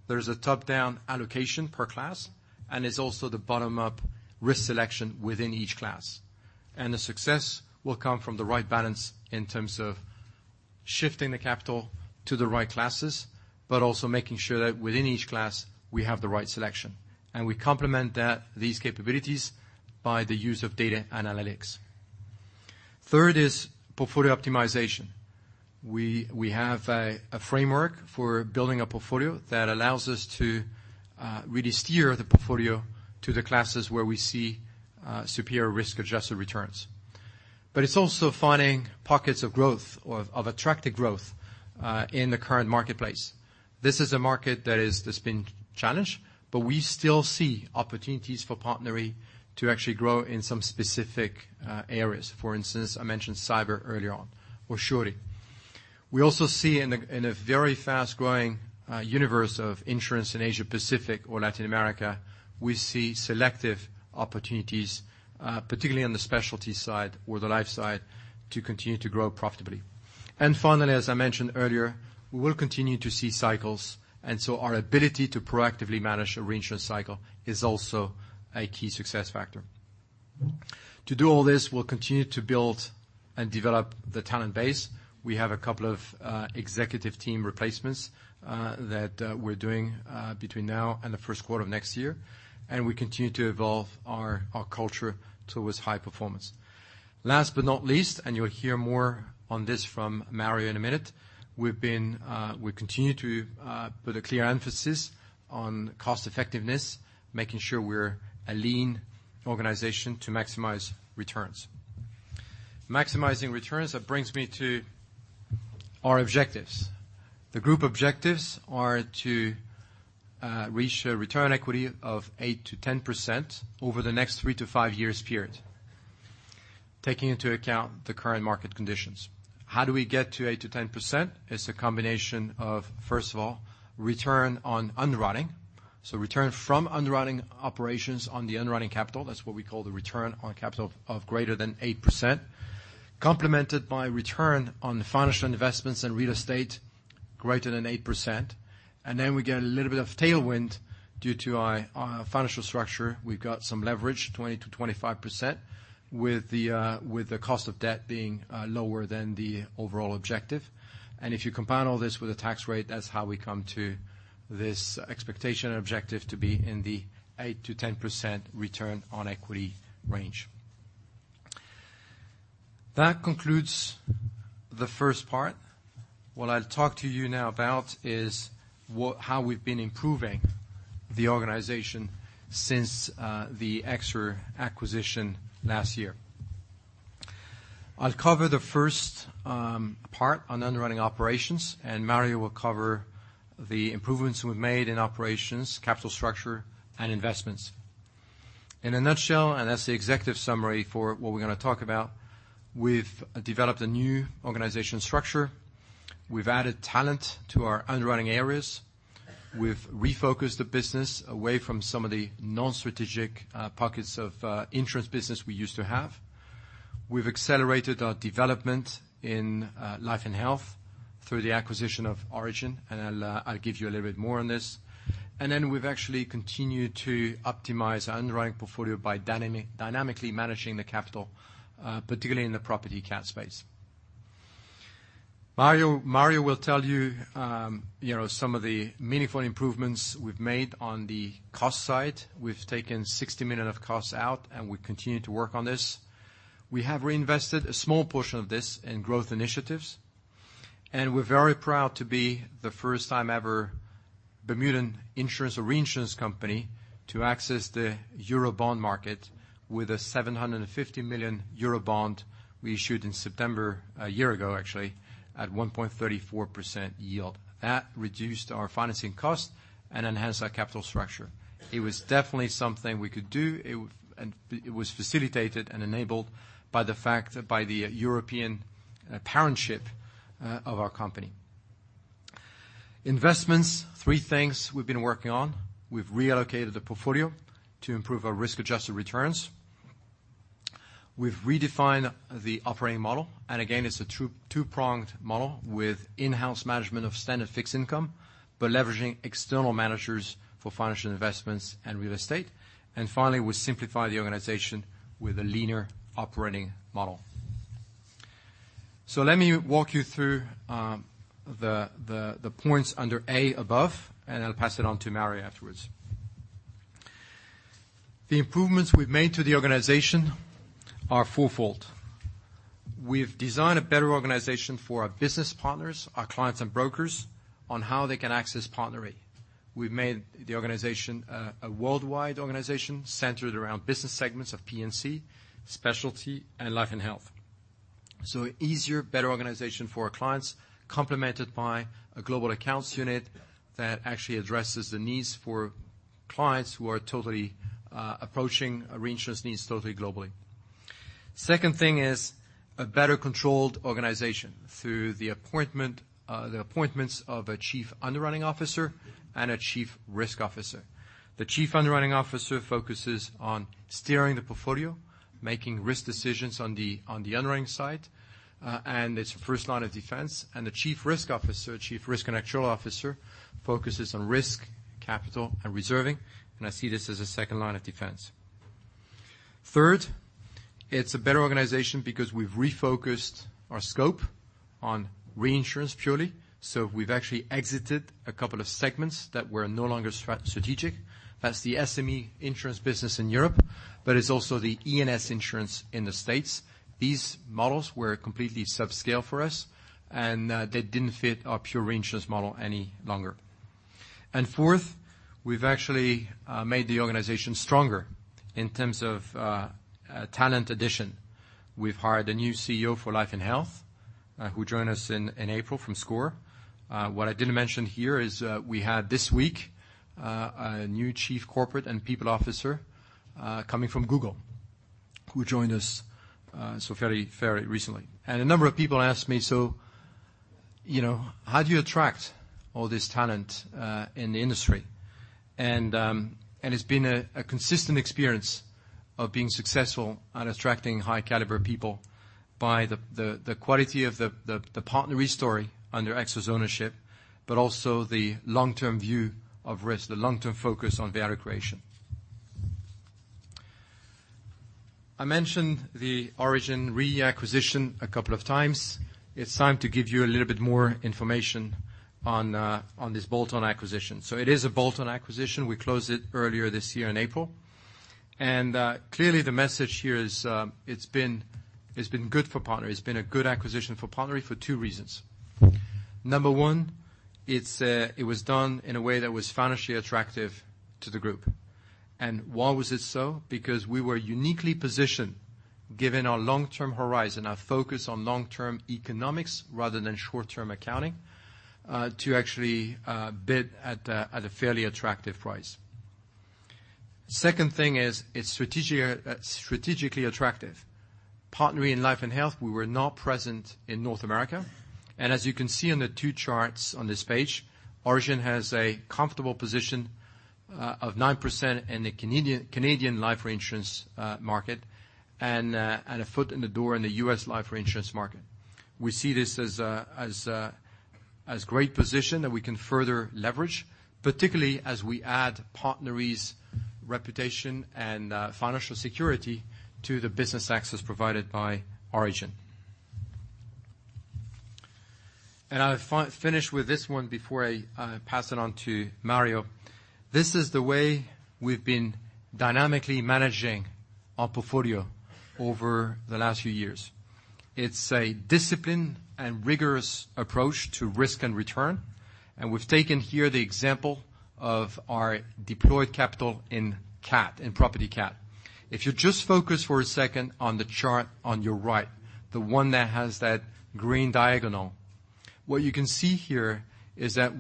There's a top-down allocation per class, it's also the bottom-up risk selection within each class. The success will come from the right balance in terms of shifting the capital to the right classes, but also making sure that within each class, we have the right selection. We complement these capabilities by the use of data analytics. Third is portfolio optimization. We have a framework for building a portfolio that allows us to really steer the portfolio to the classes where we see superior risk-adjusted returns. It's also finding pockets of growth or of attractive growth in the current marketplace. This is a market that's been challenged, we still see opportunities for PartnerRe to actually grow in some specific areas. For instance, I mentioned cyber earlier on, or surety. We also see in a very fast growing universe of insurance in Asia Pacific or Latin America, we see selective opportunities, particularly on the specialty side or the life side, to continue to grow profitably. Finally, as I mentioned earlier, we will continue to see cycles. Our ability to proactively manage a reinsurance cycle is also a key success factor. To do all this, we'll continue to build and develop the talent base. We have a couple of executive team replacements that we're doing between now and the first quarter of next year, we continue to evolve our culture towards high performance. Last but not least, you'll hear more on this from Mario in a minute, we continue to put a clear emphasis on cost effectiveness, making sure we're a lean organization to maximize returns. Maximizing returns, that brings me to our objectives. The group objectives are to reach a return equity of 8%-10% over the next three to five years period, taking into account the current market conditions. How do we get to 8%-10%? It's a combination of, first of all, return on underwriting. Return from underwriting operations on the underwriting capital. That's what we call the return on capital of greater than 8%, complemented by return on financial investments in real estate greater than 8%. Then we get a little bit of tailwind due to our financial structure. We've got some leverage, 20%-25%, with the cost of debt being lower than the overall objective. If you combine all this with the tax rate, that's how we come to this expectation objective to be in the 8%-10% return on equity range. That concludes the first part. What I'll talk to you now about is how we've been improving the organization since the Exor acquisition last year. I'll cover the first part on underwriting operations, Mario will cover the improvements we've made in operations, capital structure, and investments. In a nutshell, that's the executive summary for what we're going to talk about, we've developed a new organization structure. We've added talent to our underwriting areas. We've refocused the business away from some of the non-strategic pockets of insurance business we used to have. We've accelerated our development in life and health through the acquisition of Aurigen, I'll give you a little bit more on this. Then we've actually continued to optimize our underwriting portfolio by dynamically managing the capital, particularly in the property cat space. Mario will tell you some of the meaningful improvements we've made on the cost side. We've taken 60 million of costs out, and we continue to work on this. We have reinvested a small portion of this in growth initiatives, and we're very proud to be the first time ever Bermudan insurance or reinsurance company to access the Eurobond market with a 750 million Eurobond we issued in September a year ago, actually, at 1.34% yield. That reduced our financing cost and enhanced our capital structure. It was definitely something we could do. It was facilitated and enabled by the fact that by the European parentage of our company. Investments, three things we've been working on. We've reallocated the portfolio to improve our risk adjusted returns. Again, it's a two-pronged model with in-house management of standard fixed income, but leveraging external managers for financial investments and real estate. Finally, we simplify the organization with a leaner operating model. So let me walk you through the points under A above, and I'll pass it on to Mario afterwards. The improvements we've made to the organization are fourfold. We've designed a better organization for our business partners, our clients and brokers on how they can access PartnerRe. We've made the organization a worldwide organization centered around business segments of P&C, specialty, and life and health. So easier, better organization for our clients, complemented by a global accounts unit that actually addresses the needs for clients who are totally approaching reinsurance needs totally globally. Second thing is a better controlled organization through the appointments of a Chief Underwriting Officer and a Chief Risk Officer. The Chief Underwriting Officer focuses on steering the portfolio, making risk decisions on the underwriting side, and it's the first line of defense. The Chief Risk Officer, Chief Risk and Actuarial Officer, focuses on risk, capital, and reserving. I see this as a second line of defense. Third, it's a better organization because we've refocused our scope on reinsurance purely. So we've actually exited a couple of segments that were no longer strategic. That's the SME insurance business in Europe, but it's also the E&S insurance in the U.S. These models were completely subscale for us, and they didn't fit our pure reinsurance model any longer. Fourth, we've actually made the organization stronger in terms of talent addition. We've hired a new CEO for Life & Health, who joined us in April from SCOR. What I didn't mention here is we had this week a new Chief Corporate and People Officer coming from Google. Who joined us very recently. A number of people ask me, "So how do you attract all this talent in the industry?" It's been a consistent experience of being successful at attracting high caliber people by the quality of the PartnerRe story under Exor's ownership, but also the long-term view of risk, the long-term focus on value creation. I mentioned the Aurigen reacquisition a couple of times. It's time to give you a little bit more information on this bolt-on acquisition. So it is a bolt-on acquisition. We closed it earlier this year in April. Clearly the message here is, it's been good for PartnerRe. It's been a good acquisition for PartnerRe for two reasons. Number one, it was done in a way that was financially attractive to the group. Why was it so? We were uniquely positioned, given our long-term horizon, our focus on long-term economics rather than short-term accounting, to actually bid at a fairly attractive price. Second thing is, it's strategically attractive. PartnerRe in life and health, we were not present in North America. As you can see on the two charts on this page, Aurigen has a comfortable position of 9% in the Canadian life reinsurance market and a foot in the door in the U.S. life reinsurance market. We see this as a great position that we can further leverage, particularly as we add PartnerRe's reputation and financial security to the business access provided by Aurigen. I'll finish with this one before I pass it on to Mario. This is the way we've been dynamically managing our portfolio over the last few years. It's a disciplined and rigorous approach to risk and return, we've taken here the example of our deployed capital in property cat. If you just focus for a second on the chart on your right, the one that has that green diagonal. You can see here is that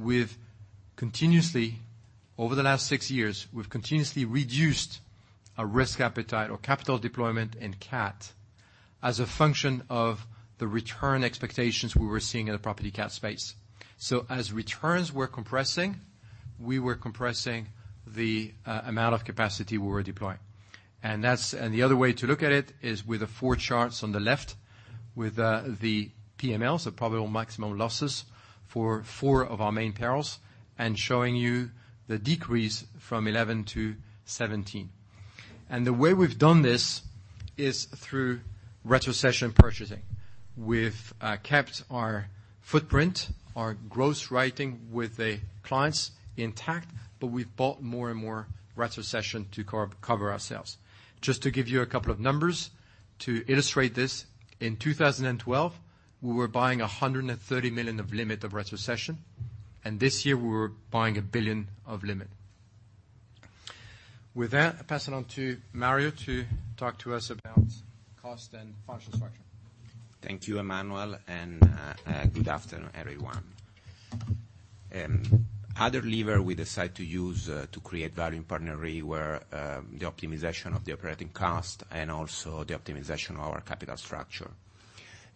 over the last six years, we've continuously reduced our risk appetite or capital deployment in cat as a function of the return expectations we were seeing in the property cat space. As returns were compressing, we were compressing the amount of capacity we were deploying. The other way to look at it is with the four charts on the left with the PML, so probable maximum losses, for four of our main perils and showing you the decrease from 2011 to 2017. The way we've done this is through retrocession purchasing. We've kept our footprint, our gross writing with the clients intact, we've bought more and more retrocession to cover ourselves. Just to give you a couple of numbers to illustrate this, in 2012, we were buying $130 million of limit of retrocession, this year we were buying $1 billion of limit. With that, I'll pass it on to Mario to talk to us about cost and financial structure. Thank you, Emmanuel, and good afternoon, everyone. Other lever we decide to use to create value in PartnerRe were the optimization of the operating cost and also the optimization of our capital structure.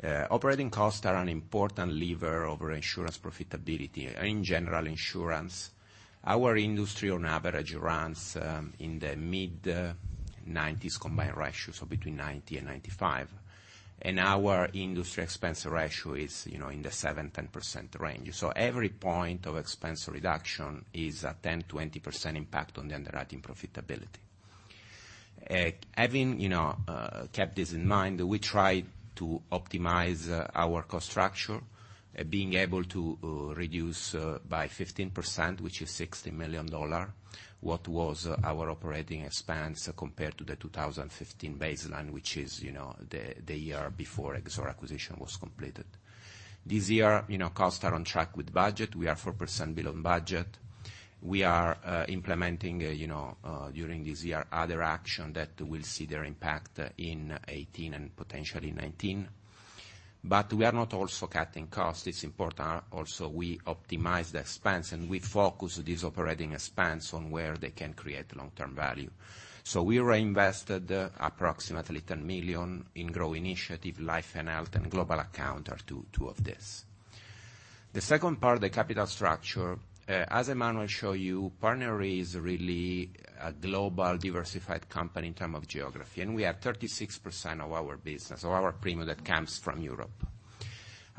Operating costs are an important lever over insurance profitability. In general insurance, our industry on average runs in the mid-90s combined ratio, between 90% and 95%. Our industry expense ratio is in the 7%-10% range. Every point of expense reduction is a 10%-20% impact on the underwriting profitability. Having kept this in mind, we try to optimize our cost structure, being able to reduce by 15%, which is $60 million, what was our operating expense compared to the 2015 baseline, which is the year before Exor acquisition was completed. This year, costs are on track with budget. We are 4% below budget. We are implementing during this year other action that will see their impact in 2018 and potentially 2019. We are not also cutting costs. It's important also we optimize the expense and we focus these operating expense on where they can create long-term value. We reinvested approximately 10 million in grow initiative, life and health, and global account are two of this. The second part, the capital structure. As Emmanuel showed you, PartnerRe is really a global diversified company in term of geography, and we have 36% of our business, of our premium that comes from Europe.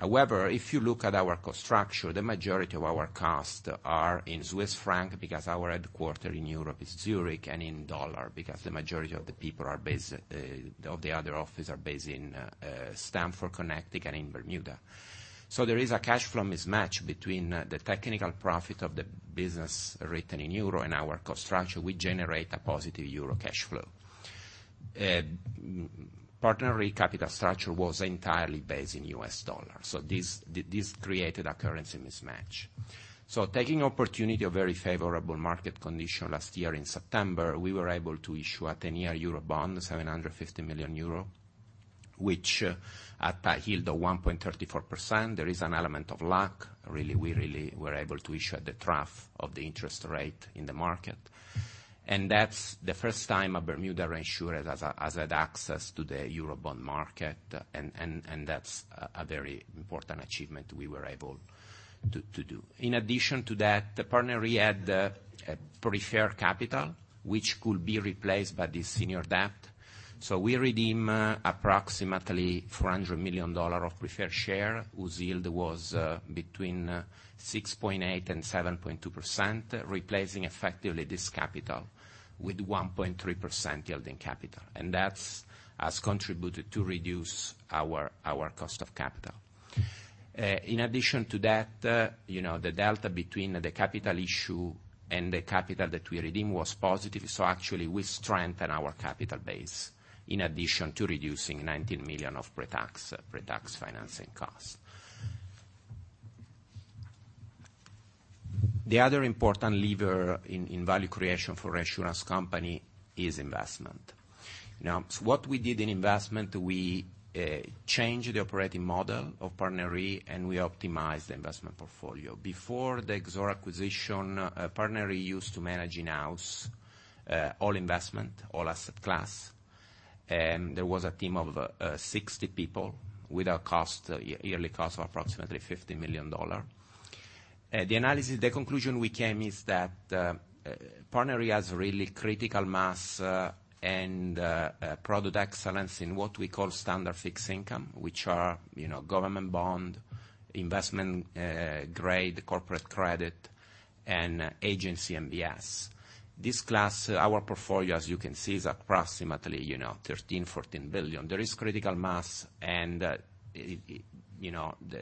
If you look at our cost structure, the majority of our costs are in Swiss franc because our headquarter in Europe is Zurich, and in USD because the majority of the other office are based in Stamford, Connecticut and in Bermuda. There is a cash flow mismatch between the technical profit of the business written in EUR and our cost structure. We generate a positive EUR cash flow. PartnerRe capital structure was entirely based in US dollar. This created a currency mismatch. Taking opportunity of very favorable market condition last year in September, we were able to issue a 10-year Eurobond, 750 million euro. Which at a yield of 1.34%, there is an element of luck. We really were able to issue at the trough of the interest rate in the market. That's the first time a Bermuda reinsurer has had access to the Eurobond market, and that's a very important achievement we were able to do. In addition to that, the PartnerRe had preferred capital, which could be replaced by this senior debt. We redeem approximately $400 million of preferred share, whose yield was between 6.8%-7.2%, replacing effectively this capital with 1.3% yield in capital. That has contributed to reduce our cost of capital. In addition to that, the delta between the capital issue and the capital that we redeem was positive, actually we strengthen our capital base in addition to reducing 19 million of pre-tax financing costs. The other important lever in value creation for reinsurance company is investment. What we did in investment, we changed the operating model of PartnerRe, and we optimized the investment portfolio. Before the Exor acquisition, PartnerRe used to manage in-house all investment, all asset class. There was a team of 60 people with a yearly cost of approximately $50 million. The conclusion we came is that PartnerRe has really critical mass and product excellence in what we call standard fixed income, which are government bond, investment-grade, corporate credit, and agency MBS. This class, our portfolio, as you can see, is approximately 13 billion-14 billion. There is critical mass, and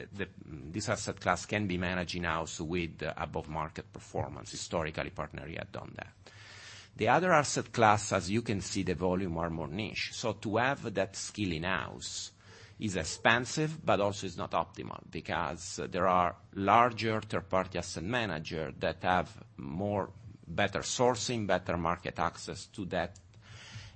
this asset class can be managed in-house with above-market performance. Historically, PartnerRe had done that. The other asset class, as you can see, the volume are more niche. To have that skill in-house is expensive but also is not optimal because there are larger third-party asset manager that have better sourcing, better market access to that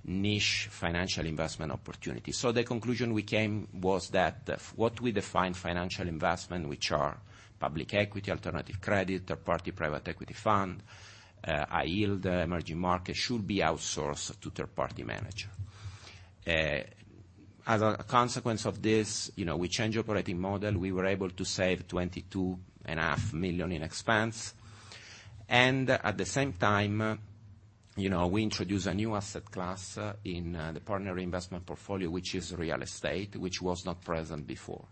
niche financial investment opportunity. The conclusion we came was that what we define financial investment, which are public equity, alternative credit, third-party private equity fund, high yield, emerging market should be outsourced to third-party manager. As a consequence of this, we changed operating model. We were able to save 22.5 million in expense. At the same time, we introduced a new asset class in the PartnerRe investment portfolio, which is real estate, which was not present before.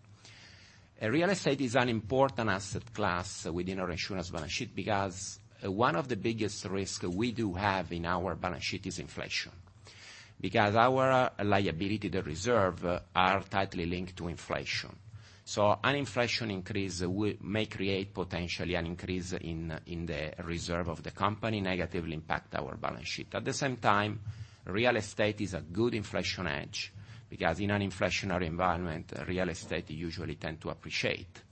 Real estate is an important asset class within our insurance balance sheet because one of the biggest risk we do have in our balance sheet is inflation. Because our liability, the reserve, are tightly linked to inflation. So an inflation increase may create potentially an increase in the reserve of the company, negatively impact our balance sheet. At the same time, real estate is a good inflation hedge because in an inflationary environment, real estate usually tend to appreciate.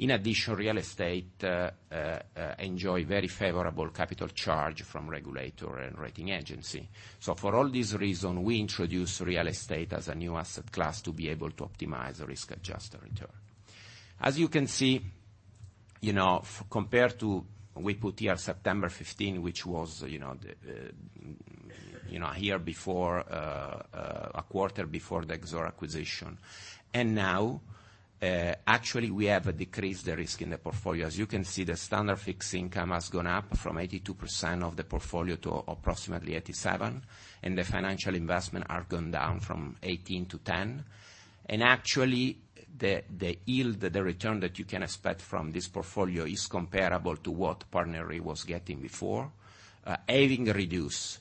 In addition, real estate enjoy very favorable capital charge from regulator and rating agency. So for all these reason, we introduced real estate as a new asset class to be able to optimize the risk-adjusted return. As you can see, compared to we put here September 15, which was a quarter before the Exor acquisition. Now, actually we have decreased the risk in the portfolio. As you can see, the standard fixed income has gone up from 82% of the portfolio to approximately 87%, and the financial investment are gone down from 18% to 10%. Actually, the yield, the return that you can expect from this portfolio is comparable to what PartnerRe was getting before, having reduced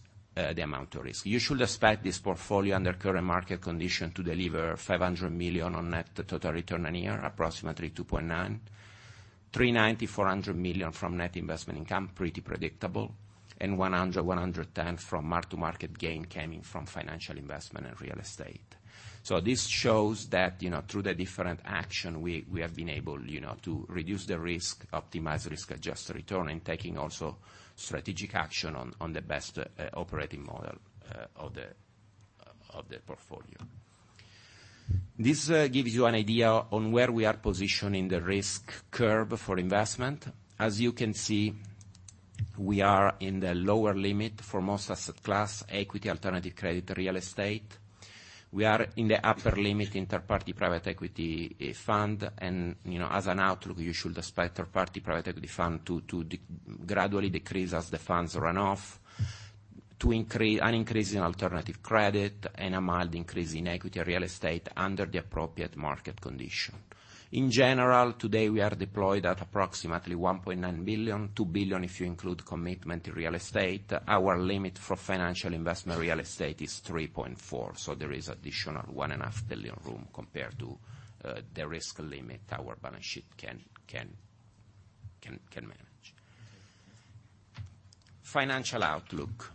the amount of risk. You should expect this portfolio under current market condition to deliver 500 million on net total return a year, approximately 2.9%. 390 million, 400 million from net investment income, pretty predictable. 100 million, 110 million from mark-to-market gain coming from financial investment and real estate. So this shows that through the different action, we have been able to reduce the risk, optimize risk-adjusted return, and taking also strategic action on the best operating model of the portfolio. This gives you an idea on where we are positioned in the risk curve for investment. As you can see, we are in the lower limit for most asset class: equity, alternative credit, real estate. We are in the upper limit in third-party private equity fund. As an outlook, you should expect third-party private equity fund to gradually decrease as the funds run off. An increase in alternative credit and a mild increase in equity real estate under the appropriate market condition. In general, today we are deployed at approximately 1.9 billion, 2 billion if you include commitment to real estate. Our limit for financial investment real estate is 3.4 billion, so there is additional one and a half billion room compared to the risk limit our balance sheet can manage. Financial outlook.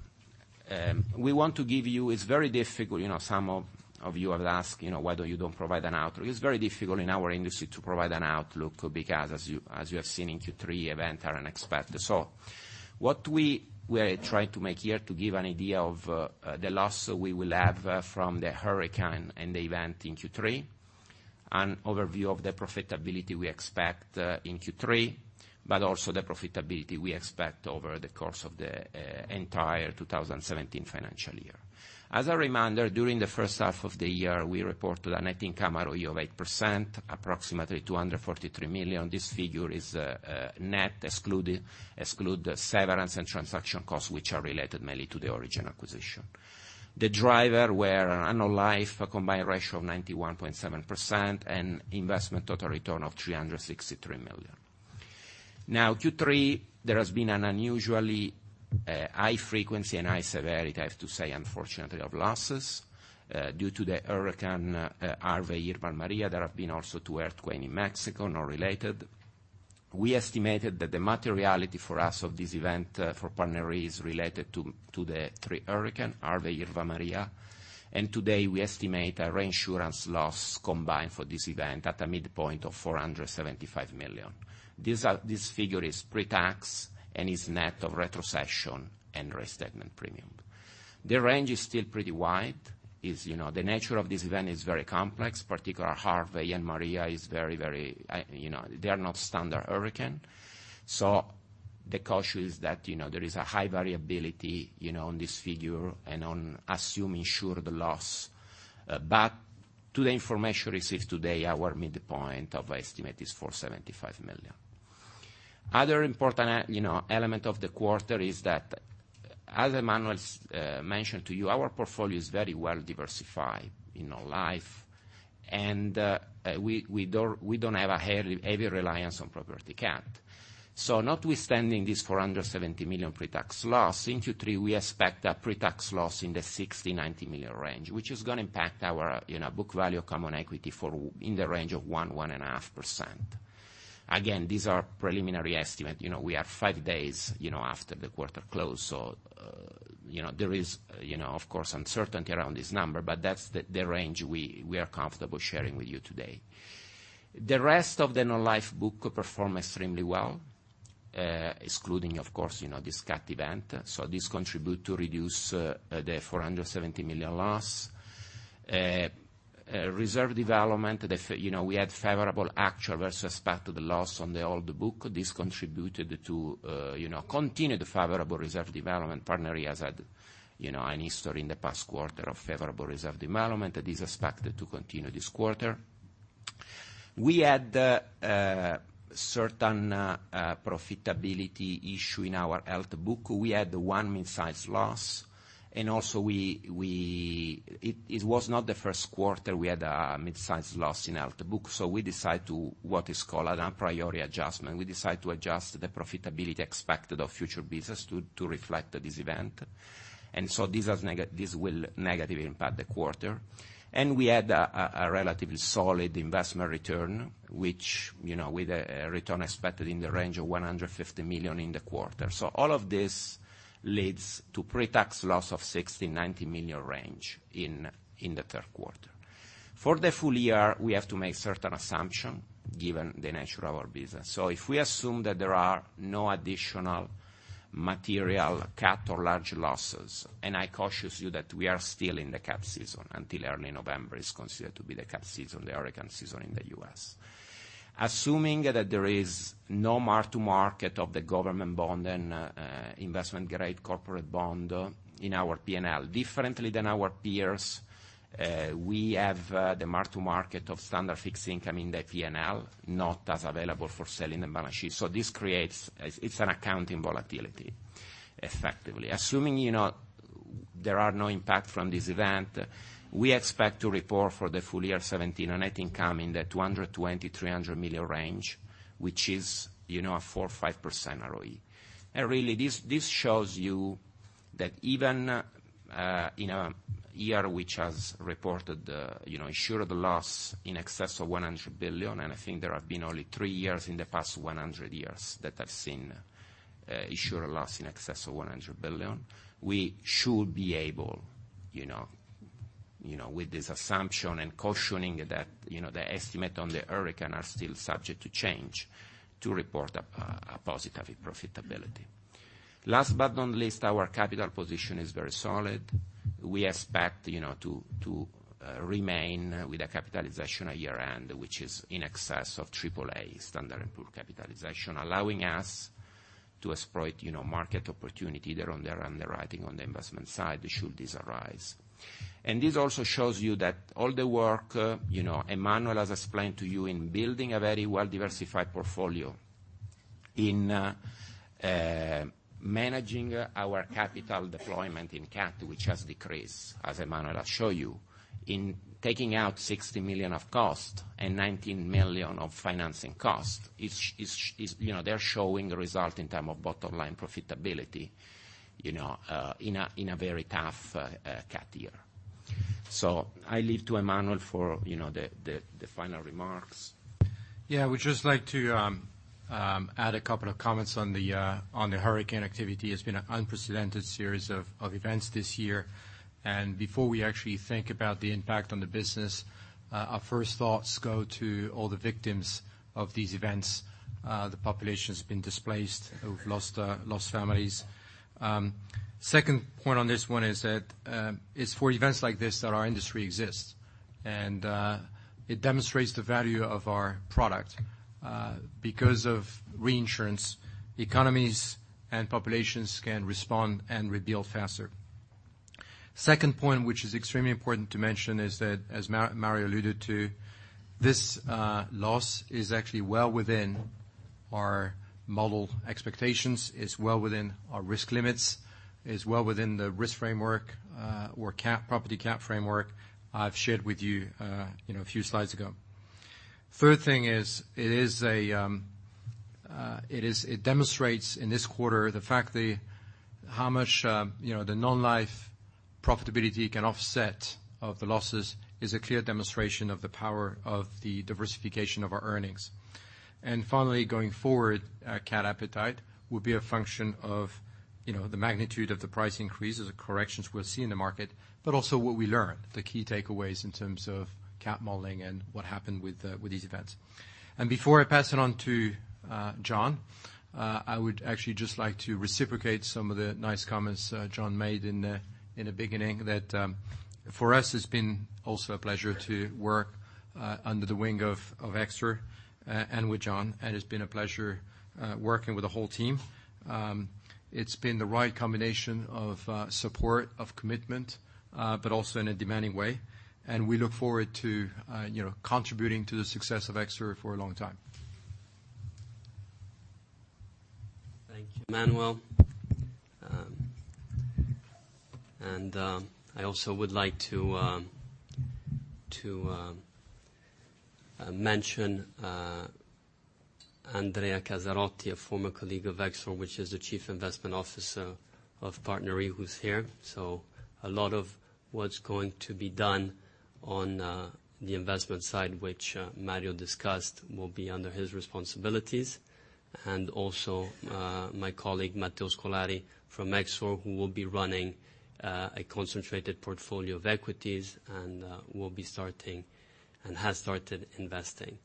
We want to give you. It's very difficult, some of you have asked, why you don't provide an outlook. It's very difficult in our industry to provide an outlook because as you have seen in Q3, event are unexpected. So what we are trying to make here to give an idea of the loss we will have from the hurricane and the event in Q3. An overview of the profitability we expect in Q3, but also the profitability we expect over the course of the entire 2017 financial year. As a reminder, during the first half of the year, we reported a net income ROE of 8%, approximately 243 million. This figure is net, excluding the severance and transaction costs, which are related mainly to the Aurigen acquisition. The drivers were annual life, a combined ratio of 91.7% and investment total return of 363 million. Q3, there has been an unusually high frequency and high severity, I have to say, unfortunately, of losses, due to Hurricane Harvey, Irma, Maria. There have been also two earthquakes in Mexico, not related. We estimated that the materiality for us of this event for PartnerRe is related to the three hurricanes, Harvey, Irma, Maria. Today we estimate a reinsurance loss combined for this event at a midpoint of 475 million. This figure is pre-tax. It is net of retrocession and reinstatement premium. The range is still pretty wide. The nature of this event is very complex, particularly Harvey and Maria, they are not standard hurricanes. The caution is that there is a high variability on this figure and on assumed insured loss. To the information received today, our midpoint of estimate is 475 million. Other important elements of the quarter is that as Emmanuel mentioned to you, our portfolio is very well diversified in our life. We don't have a heavy reliance on property cat. Notwithstanding this 470 million pre-tax loss, in Q3, we expect a pre-tax loss in the 60 million-90 million range, which is going to impact our book value of common equity in the range of 1%-1.5%. Again, these are preliminary estimates. We are five days after the quarter close, so there is of course uncertainty around this number, but that's the range we are comfortable sharing with you today. The rest of the non-life book performed extremely well, excluding, of course, this cat event. This contributed to reduce the 470 million loss. Reserve development, we had favorable actual versus expected loss on the old book. This contributed to continued favorable reserve development. PartnerRe has had a history in the past quarter of favorable reserve development. This is expected to continue this quarter. We had certain profitability issues in our health book. We had one mid-size loss. It was not the first quarter we had a mid-size loss in health book, so we decided to what is called an a priori adjustment. We decided to adjust the profitability expected of future business to reflect this event, and this will negatively impact the quarter. We had a relatively solid investment return, with a return expected in the range of 150 million in the quarter. All of this leads to pre-tax loss of 60 million-90 million range in the third quarter. For the full year, we have to make certain assumptions given the nature of our business. If we assume that there are no additional material cat or large losses, I caution you that we are still in the cat season, until early November is considered to be the cat season, the hurricane season in the U.S. Assuming that there is no mark to market of the government bond and investment-grade corporate bond in our P&L. Differently from our peers, we have the mark to market of standard fixed income in the P&L, not as available for sale in the balance sheet. This creates an accounting volatility effectively. Assuming there are no impact from this event, we expect to report for the full year 2017 a net income in the $220 million-$300 million range, which is a 4%-5% ROE. Really this shows you that even in a year which has reported insured loss in excess of $100 billion, and I think there have been only three years in the past 100 years that have seen insured loss in excess of $100 billion. We should be able, with this assumption and cautioning that the estimate on the Hurricane are still subject to change to report a positive profitability. Last but not least, our capital position is very solid. We expect to remain with a capitalization at year-end, which is in excess of triple-A Standard & Poor's capitalization, allowing us to exploit market opportunity there on the underwriting, on the investment side should this arise. This also shows you that all the work Emmanuel has explained to you in building a very well-diversified portfolio in managing our capital deployment in cat which has decreased, as Emmanuel show you. In taking out 60 million of cost and 19 million of financing cost, they're showing a result in term of bottom line profitability, in a very tough cat year. I leave to Emmanuel for the final remarks. I would just like to add a couple of comments on the Hurricane activity. It's been an unprecedented series of events this year. Before we actually think about the impact on the business, our first thoughts go to all the victims of these events. The population has been displaced, who've lost families. Second point on this one is that, it's for events like this that our industry exists. It demonstrates the value of our product. Because of reinsurance, economies and populations can respond and rebuild faster. Second point, which is extremely important to mention, is that, as Mario alluded to, this loss is actually well within our model expectations, it's well within our risk limits, it's well within the risk framework or property cat framework I've shared with you a few slides ago. Third thing is, it demonstrates in this quarter the fact how much the non-life profitability can offset of the losses is a clear demonstration of the power of the diversification of our earnings. Finally, going forward, our cat appetite will be a function of the magnitude of the price increases or corrections we'll see in the market. Also what we learn, the key takeaways in terms of cat modeling and what happened with these events. Before I pass it on to John, I would actually just like to reciprocate some of the nice comments John made in the beginning, that for us it's been also a pleasure to work under the wing of Exor and with John, and it's been a pleasure working with the whole team. It's been the right combination of support, of commitment, but also in a demanding way. We look forward to contributing to the success of Exor for a long time. Thank you, Emmanuel. I also would like to mention Andrea Casarotti, a former colleague of Exor, who is the Chief Investment Officer of PartnerRe, who's here. A lot of what's going to be done on the investment side, which Mario discussed, will be under his responsibilities. Also my colleague, Matteo Scolari from Exor, who will be running a concentrated portfolio of equities and will be starting, and has started investing.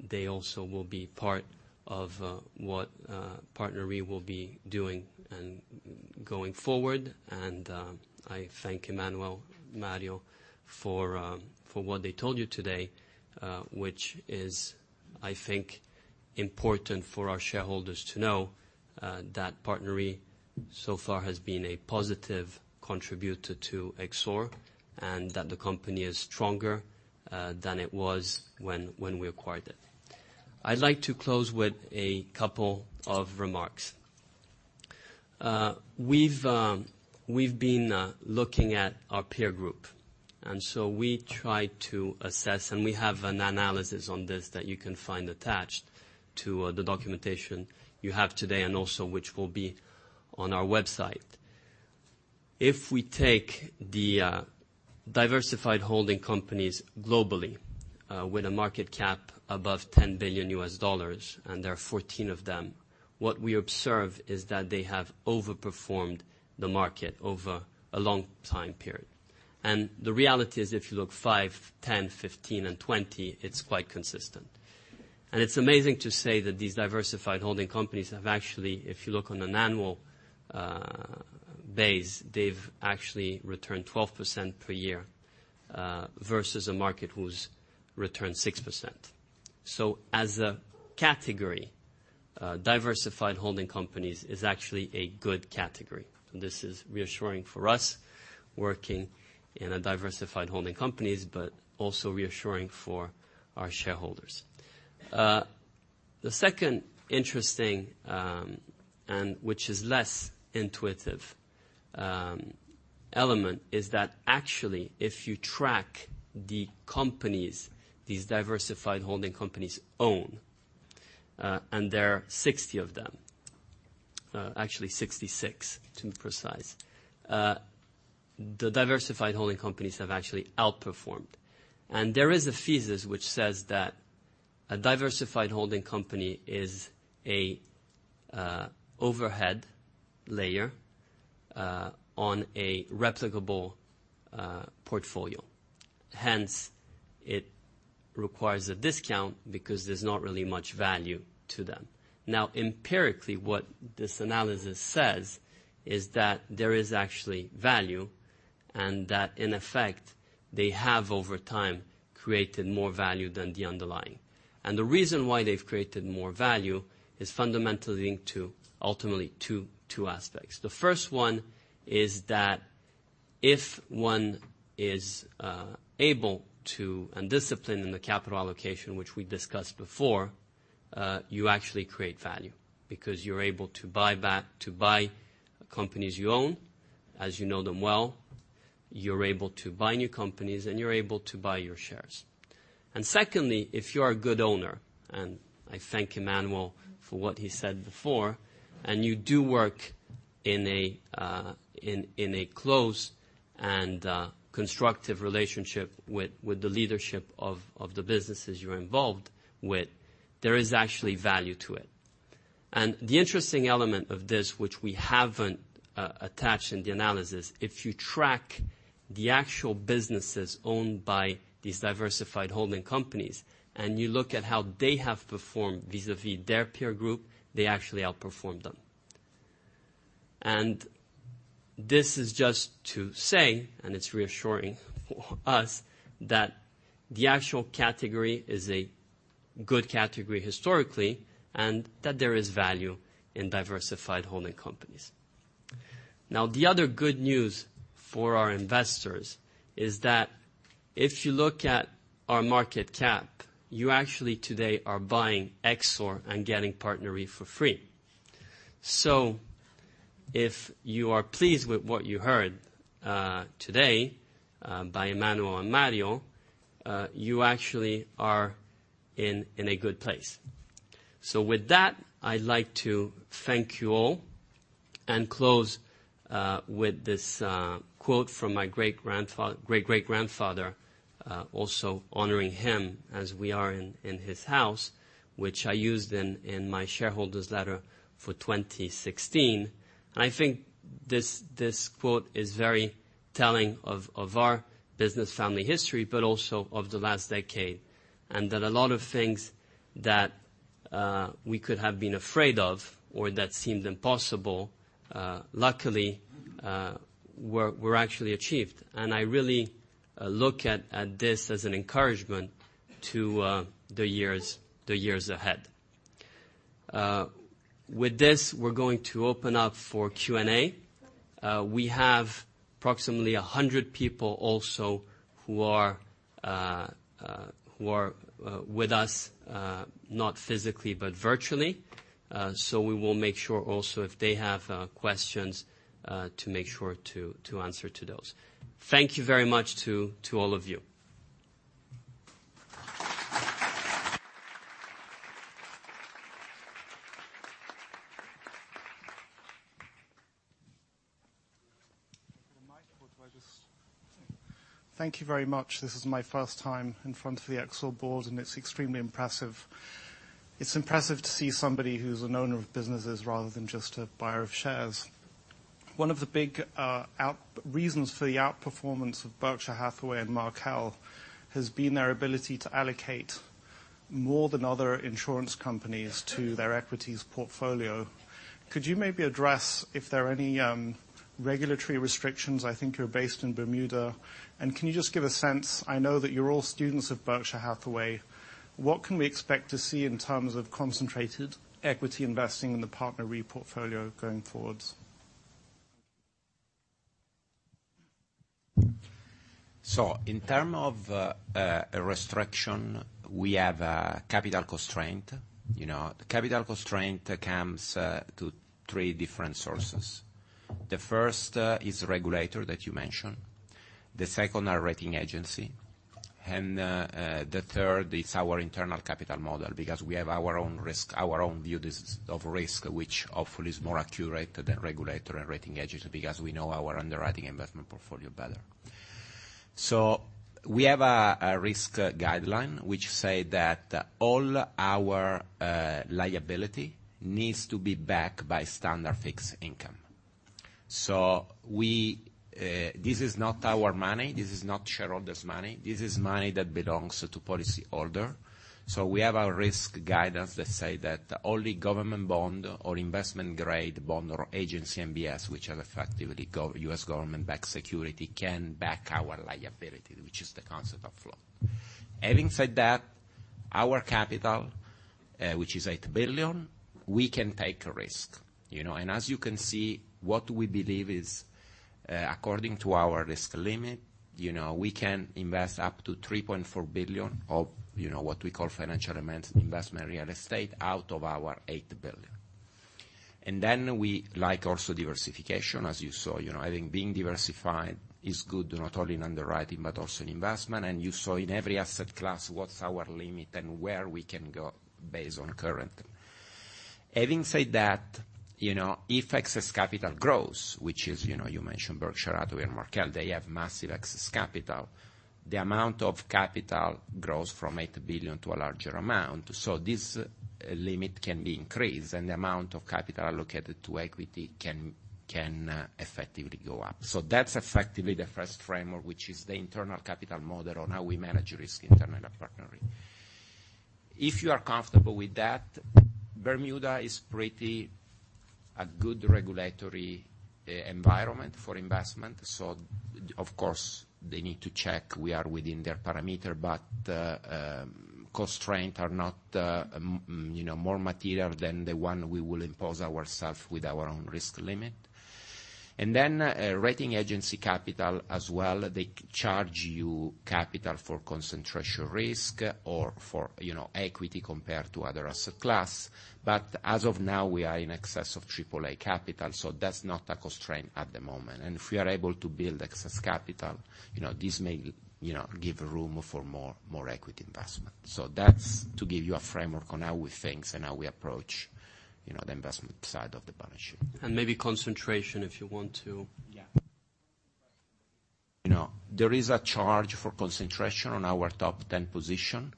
They also will be part of what PartnerRe will be doing and going forward. I thank Emmanuel, Mario for what they told you today, which is, I think, important for our shareholders to know that PartnerRe so far has been a positive contributor to Exor, and that the company is stronger than it was when we acquired it. I'd like to close with a couple of remarks. We've been looking at our peer group. We try to assess. We have an analysis on this that you can find attached to the documentation you have today, which will be on our website. If we take the diversified holding companies globally with a market cap above $10 billion, there are 14 of them. What we observe is that they have overperformed the market over a long time period. The reality is, if you look five, 10, 15 and 20, it's quite consistent. It's amazing to say that these diversified holding companies have actually, if you look on an annual base, they've actually returned 12% per year, versus a market who's returned 6%. As a category, diversified holding companies is actually a good category. This is reassuring for us working in a diversified holding companies, but also reassuring for our shareholders. The second interesting, which is less intuitive element is that actually if you track the companies these diversified holding companies own, there are 60 of them, actually 66 to be precise. The diversified holding companies have actually outperformed. There is a thesis which says that a diversified holding company is an overhead layer on a replicable portfolio. Hence it requires a discount because there's not really much value to them. Now, empirically, what this analysis says is that there is actually value, that in effect, they have over time, created more value than the underlying. The reason why they've created more value is fundamentally linked to ultimately two aspects. The first one is that if one is able to, and disciplined in the capital allocation, which we discussed before, you actually create value. You're able to buy companies you own as you know them well, you're able to buy new companies, and you're able to buy your shares. Secondly, if you are a good owner, and I thank Emmanuel for what he said before, and you do work in a close and constructive relationship with the leadership of the businesses you're involved with, there is actually value to it. The interesting element of this, which we haven't attached in the analysis, if you track the actual businesses owned by these diversified holding companies and you look at how they have performed vis-à-vis their peer group, they actually outperformed them. This is just to say, and it's reassuring for us, that the actual category is a good category historically, and that there is value in diversified holding companies. The other good news for our investors is that if you look at our market cap, you actually today are buying Exor and getting PartnerRe for free. If you are pleased with what you heard today by Emmanuel and Mario, you actually are in a good place. With that, I'd like to thank you all and close with this quote from my great great grandfather, also honoring him as we are in his house, which I used in my shareholders' letter for 2016. I think this quote is very telling of our business family history, but also of the last decade, and that a lot of things that we could have been afraid of or that seemed impossible, luckily, were actually achieved. I really look at this as an encouragement to the years ahead. With this, we're going to open up for Q&A. We have approximately 100 people also who are with us, not physically, but virtually. We will make sure also if they have questions, to make sure to answer to those. Thank you very much to all of you. Thank you very much. This is my first time in front of the Exor board, and it's extremely impressive. It's impressive to see somebody who's an owner of businesses rather than just a buyer of shares. One of the big reasons for the outperformance of Berkshire Hathaway and Markel has been their ability to allocate more than other insurance companies to their equities portfolio. Could you maybe address if there are any regulatory restrictions? I think you're based in Bermuda. Can you just give a sense, I know that you're all students of Berkshire Hathaway, what can we expect to see in terms of concentrated equity investing in the PartnerRe portfolio going forward? In terms of a restriction, we have a capital constraint. Capital constraint comes to three different sources. First is regulator that you mentioned, second are rating agency, and third is our internal capital model because we have our own views of risk, which hopefully is more accurate than regulator and rating agency because we know our underwriting investment portfolio better. We have a risk guideline which say that all our liability needs to be backed by standard fixed income. This is not our money, this is not shareholders' money. This is money that belongs to policyholder. We have our risk guidance that say that only government bond or investment-grade bond or agency MBS, which are effectively U.S. government-backed security, can back our liability, which is the concept of float. Having said that, our capital, which is $8 billion, we can take a risk. As you can see what we believe is, according to our risk limit, we can invest up to $3.4 billion of what we call financial investment real estate out of our $8 billion. Then we like also diversification as you saw. I think being diversified is good not only in underwriting but also in investment. You saw in every asset class what's our limit and where we can go based on current. Having said that, if excess capital grows, which is, you mentioned Berkshire Hathaway and Markel, they have massive excess capital. The amount of capital grows from $8 billion to a larger amount, this limit can be increased and the amount of capital allocated to equity can effectively go up. That's effectively the first framework, which is the internal capital model on how we manage risk internal to PartnerRe. If you are comfortable with that, Bermuda is pretty a good regulatory environment for investment. Of course, they need to check we are within their parameter. Constraint are not more material than the one we will impose ourself with our own risk limit. Rating agency capital as well, they charge you capital for concentration risk or for equity compared to other asset class. As of now, we are in excess of AAA capital, that's not a constraint at the moment. If we are able to build excess capital, this may give room for more equity investment. That's to give you a framework on how we think and how we approach the investment side of the balance sheet. Maybe concentration if you want to. There is a charge for concentration on our top 10 position,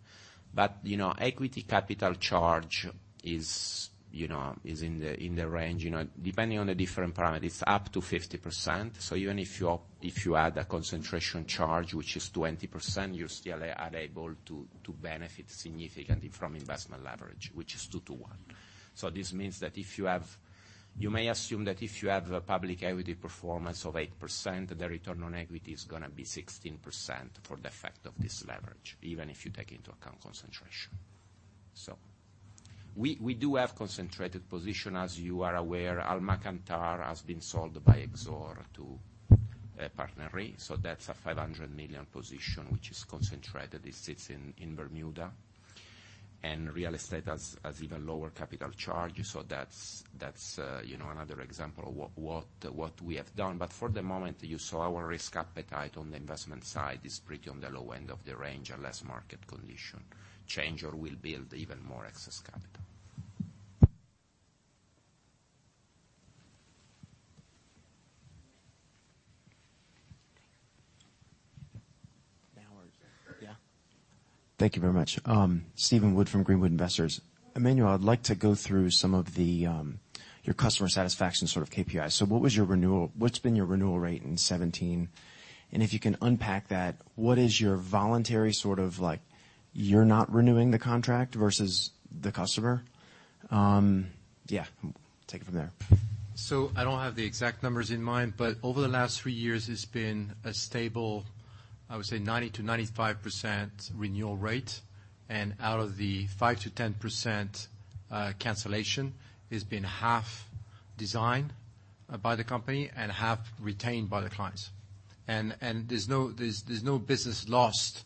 equity capital charge is in the range. Depending on the different parameters, it's up to 50%. Even if you add a concentration charge, which is 20%, you still are able to benefit significantly from investment leverage, which is 2 to 1. This means that if you have a public equity performance of 8%, the return on equity is going to be 16% for the effect of this leverage, even if you take into account concentration. We do have concentrated position. As you are aware, Almacantar has been sold by Exor to a partner. That's a 500 million position, which is concentrated. It sits in Bermuda. Real estate has even lower capital charge. That's another example of what we have done. For the moment, you saw our risk appetite on the investment side is pretty on the low end of the range unless market condition change or we build even more excess capital. Yeah. Thank you very much. Stephen Wood from Greenwood Investors. Emmanuel, I'd like to go through some of your customer satisfaction sort of KPIs. What's been your renewal rate in 2017? If you can unpack that, what is your voluntary sort of like you're not renewing the contract versus the customer? Take it from there. I don't have the exact numbers in mind, but over the last 3 years, it's been a stable, I would say 90%-95% renewal rate. Out of the 5%-10% cancellation, it's been half designed by the company and half retained by the clients. There's no business lost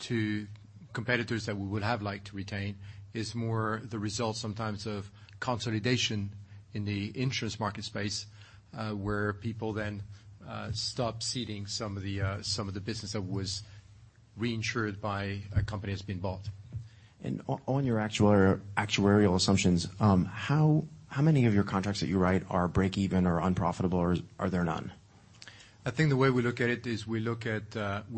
to competitors that we would have liked to retain. It's more the result sometimes of consolidation in the insurance market space, where people then stop ceding some of the business that was reinsured by a company that's been bought. On your actuarial assumptions, how many of your contracts that you write are break-even or unprofitable, or are there none? I think the way we look at it is we look at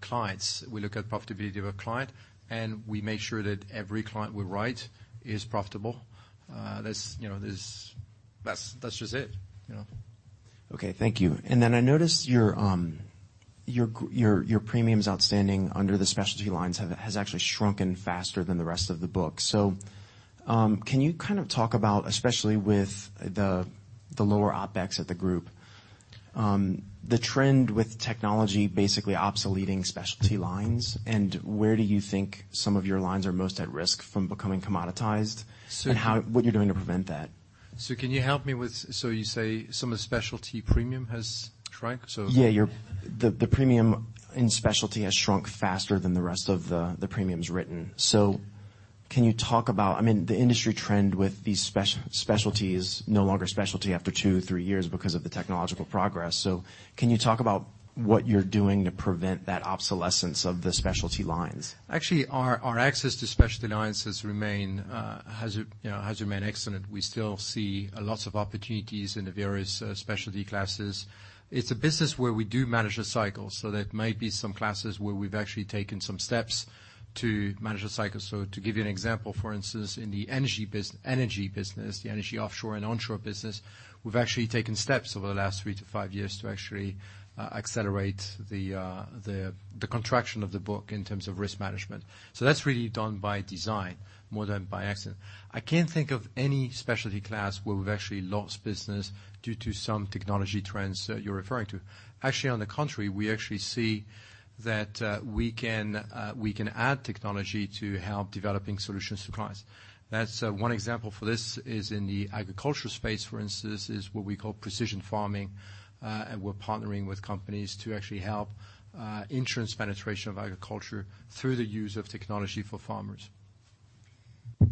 clients, we look at profitability of a client, and we make sure that every client we write is profitable. That's just it. Okay. Thank you. I noticed your premiums outstanding under the specialty lines has actually shrunken faster than the rest of the book. Can you kind of talk about, especially with the lower OpEx at the group, the trend with technology basically obsoleting specialty lines? Where do you think some of your lines are most at risk from becoming commoditized? What you're doing to prevent that? You say some of the specialty premium has shrunk? Yeah. The premium in specialty has shrunk faster than the rest of the premiums written. Can you talk about, I mean, the industry trend with these specialties no longer specialty after 2, 3 years because of the technological progress. Can you talk about what you're doing to prevent that obsolescence of the specialty lines? Actually, our access to specialty lines has remained excellent. We still see a lots of opportunities in the various specialty classes. It's a business where we do manage the cycle. There might be some classes where we've actually taken some steps to manage the cycle. To give you an example, for instance, in the energy business, the energy offshore and onshore business, we've actually taken steps over the last 3 to 5 years to actually accelerate the contraction of the book in terms of risk management. That's really done by design more than by accident. I can't think of any specialty class where we've actually lost business due to some technology trends that you're referring to. Actually, on the contrary, we actually see that we can add technology to help developing solutions to clients. One example for this is in the agricultural space, for instance, is what we call precision farming. We're partnering with companies to actually help insurance penetration of agriculture through the use of technology for farmers.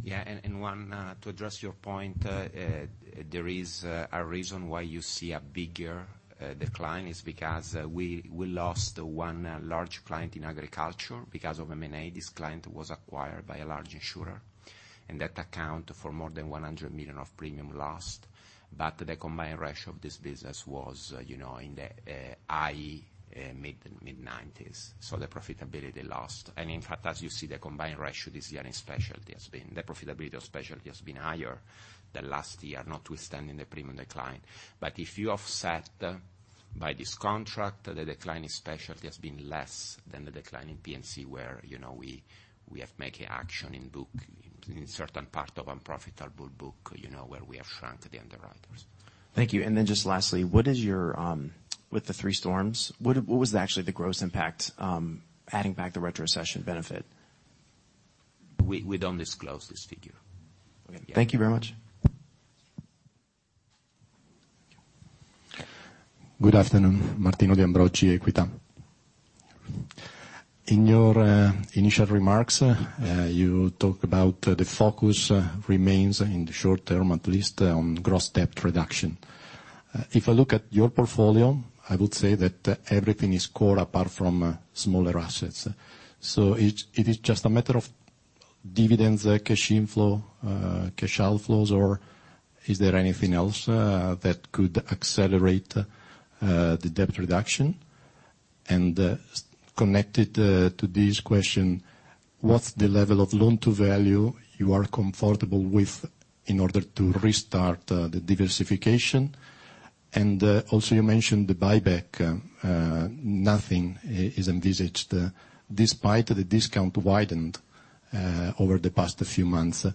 Yeah. One, to address your point, there is a reason why you see a bigger decline is because we lost one large client in agriculture. Because of M&A, this client was acquired by a large insurer, and that account for more than 100 million of premium lost. The combined ratio of this business was in the high, mid 90s. The profitability lost. In fact, as you see, the profitability of specialty has been higher than last year, notwithstanding the premium decline. If you offset by this contract, the decline in specialty has been less than the decline in P&C, where we have taken action in book, in certain part of unprofitable book, where we have shrunk the underwriters. Thank you. Just lastly, with the three storms, what was actually the gross impact, adding back the retrocession benefit? We don't disclose this figure. Thank you very much. Good afternoon. Martino Ambrogi, Equita. In your initial remarks, you talked about the focus remains in the short term, at least on gross debt reduction. If I look at your portfolio, I would say that everything is core apart from smaller assets. It is just a matter of dividends, cash inflow, cash outflows, or is there anything else that could accelerate the debt reduction? Connected to this question, what's the level of loan-to-value you are comfortable with in order to restart the diversification? Also you mentioned the buyback. Nothing is envisaged despite the discount widened over the past few months,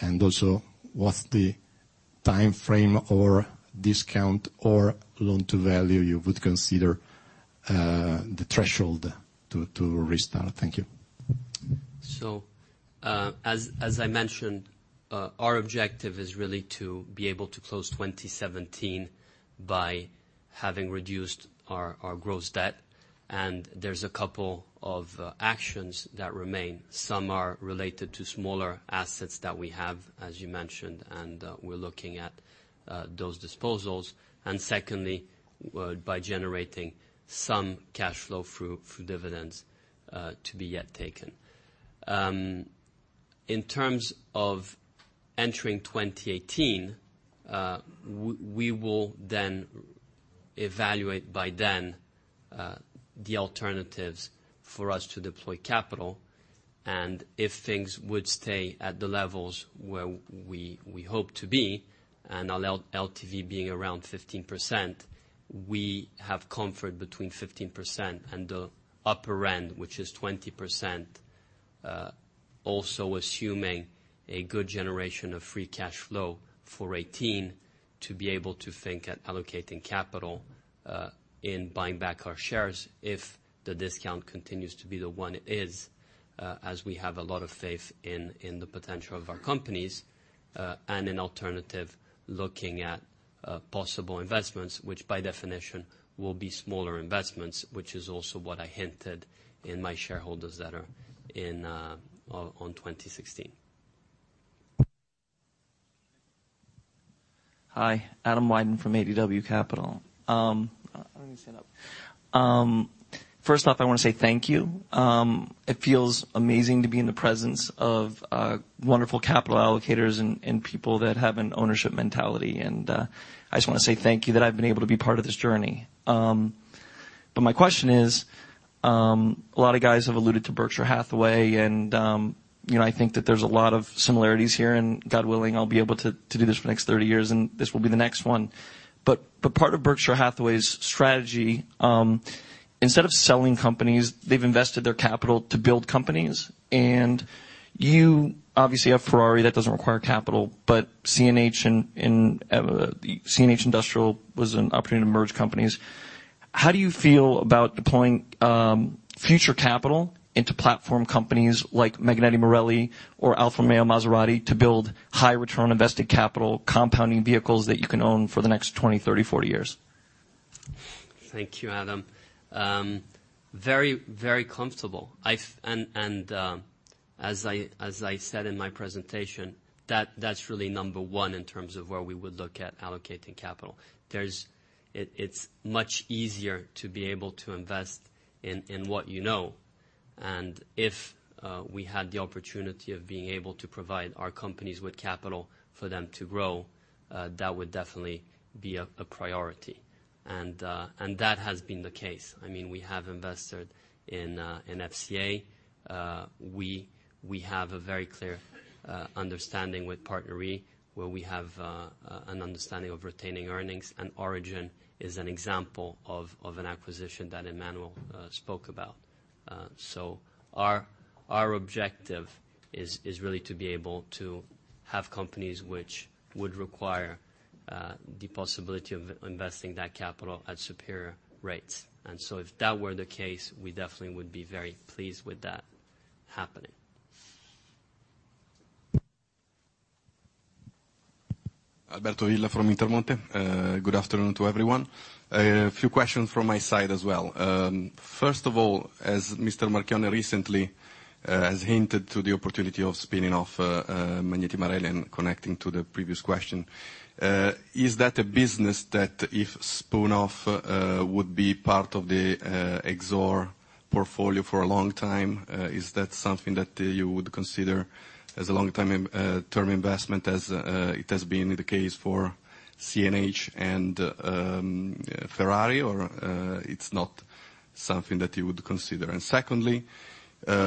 and also what's the timeframe or discount or loan-to-value you would consider the threshold to restart? Thank you. As I mentioned, our objective is really to be able to close 2017 by having reduced our gross debt. There's a couple of actions that remain. Some are related to smaller assets that we have, as you mentioned, and we're looking at those disposals. Secondly, by generating some cash float through dividends to be yet taken. In terms of entering 2018, we will then evaluate by then the alternatives for us to deploy capital, and if things would stay at the levels where we hope to be, and our LTV being around 15%, we have comfort between 15%-20%, also assuming a good generation of free cash float for 2018 to be able to think at allocating capital in buying back our shares if the discount continues to be the one it is, as we have a lot of faith in the potential of our companies. An alternative, looking at possible investments, which by definition will be smaller investments, which is also what I hinted in my shareholders letter on 2016. Hi, Adam Wyden from ADW Capital. I'm going to stand up. First off, I want to say thank you. It feels amazing to be in the presence of wonderful capital allocators and people that have an ownership mentality, and I just want to say thank you that I've been able to be part of this journey. My question is: a lot of guys have alluded to Berkshire Hathaway, and I think that there's a lot of similarities here, and God willing, I'll be able to do this for the next 30 years, and this will be the next one. Part of Berkshire Hathaway's strategy, instead of selling companies, they've invested their capital to build companies. You obviously have Ferrari. That doesn't require capital, but CNH Industrial was an opportunity to merge companies. How do you feel about deploying future capital into platform companies like Magneti Marelli or Alfa Romeo, Maserati to build high return on invested capital, compounding vehicles that you can own for the next 20, 30, 40 years? Thank you, Adam. Very comfortable. As I said in my presentation, that's really number 1 in terms of where we would look at allocating capital. It's much easier to be able to invest in what you know. If we had the opportunity of being able to provide our companies with capital for them to grow, that would definitely be a priority. That has been the case. We have invested in FCA. We have a very clear understanding with PartnerRe, where we have an understanding of retaining earnings, and Aurigen is an example of an acquisition that Emmanuel spoke about. Our objective is really to be able to have companies which would require the possibility of investing that capital at superior rates. If that were the case, we definitely would be very pleased with that happening. Alberto Villa from Intermonte. Good afternoon to everyone. A few questions from my side as well. First of all, as Mr. Marchionne recently has hinted to the opportunity of spinning off Magneti Marelli and connecting to the previous question, is that a business that if spun off, would be part of the Exor portfolio for a long time? Is that something that you would consider as a long-term investment as it has been the case for CNH and Ferrari, or it's not something that you would consider? Secondly,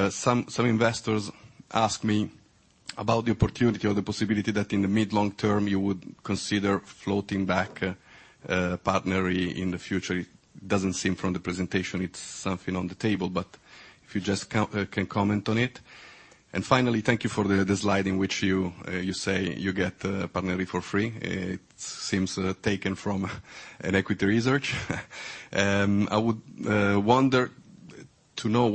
some investors ask me about the opportunity or the possibility that in the mid, long term, you would consider floating back PartnerRe in the future. It doesn't seem from the presentation it's something on the table, but if you just can comment on it. Finally, thank you for the slide in which you say you get PartnerRe for free. It seems taken from an equity research. I would wonder to know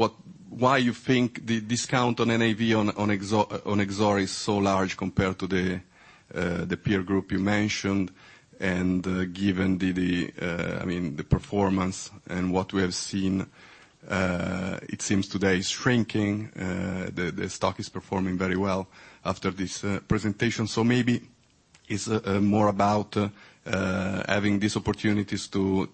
why you think the discount on NAV on Exor is so large compared to the peer group you mentioned, and given the performance and what we have seen, it seems today it's shrinking. The stock is performing very well after this presentation. Maybe it's more about having these opportunities to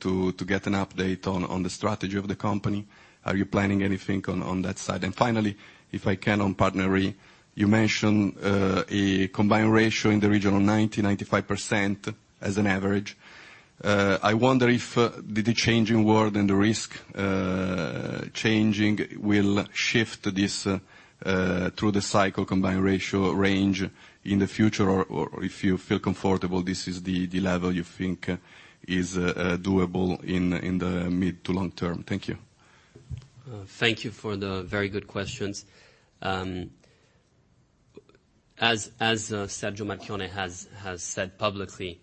get an update on the strategy of the company. Are you planning anything on that side? Finally, if I can, on PartnerRe, you mentioned a combined ratio in the region of 90%-95% as an average. I wonder if the changing world and the risk changing will shift this through the cycle combined ratio range in the future, or if you feel comfortable this is the level you think is doable in the mid to long term. Thank you. Thank you for the very good questions. As Sergio Marchionne has said publicly,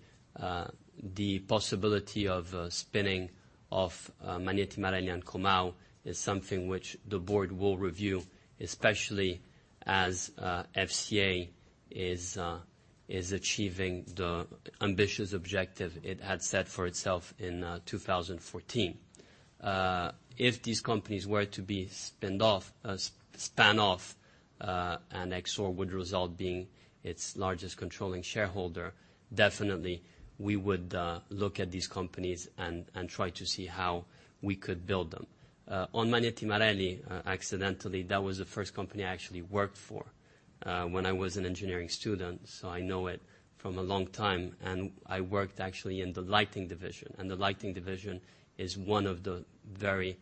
the possibility of spinning of Magneti Marelli and Comau is something which the board will review, especially as FCA is achieving the ambitious objective it had set for itself in 2014. If these companies were to be spun off, Exor would result being its largest controlling shareholder, definitely we would look at these companies and try to see how we could build them. On Magneti Marelli, actually, that was the first company I actually worked for when I was an engineering student, so I know it from a long time, and I worked actually in the lighting division, and the lighting division is one of the very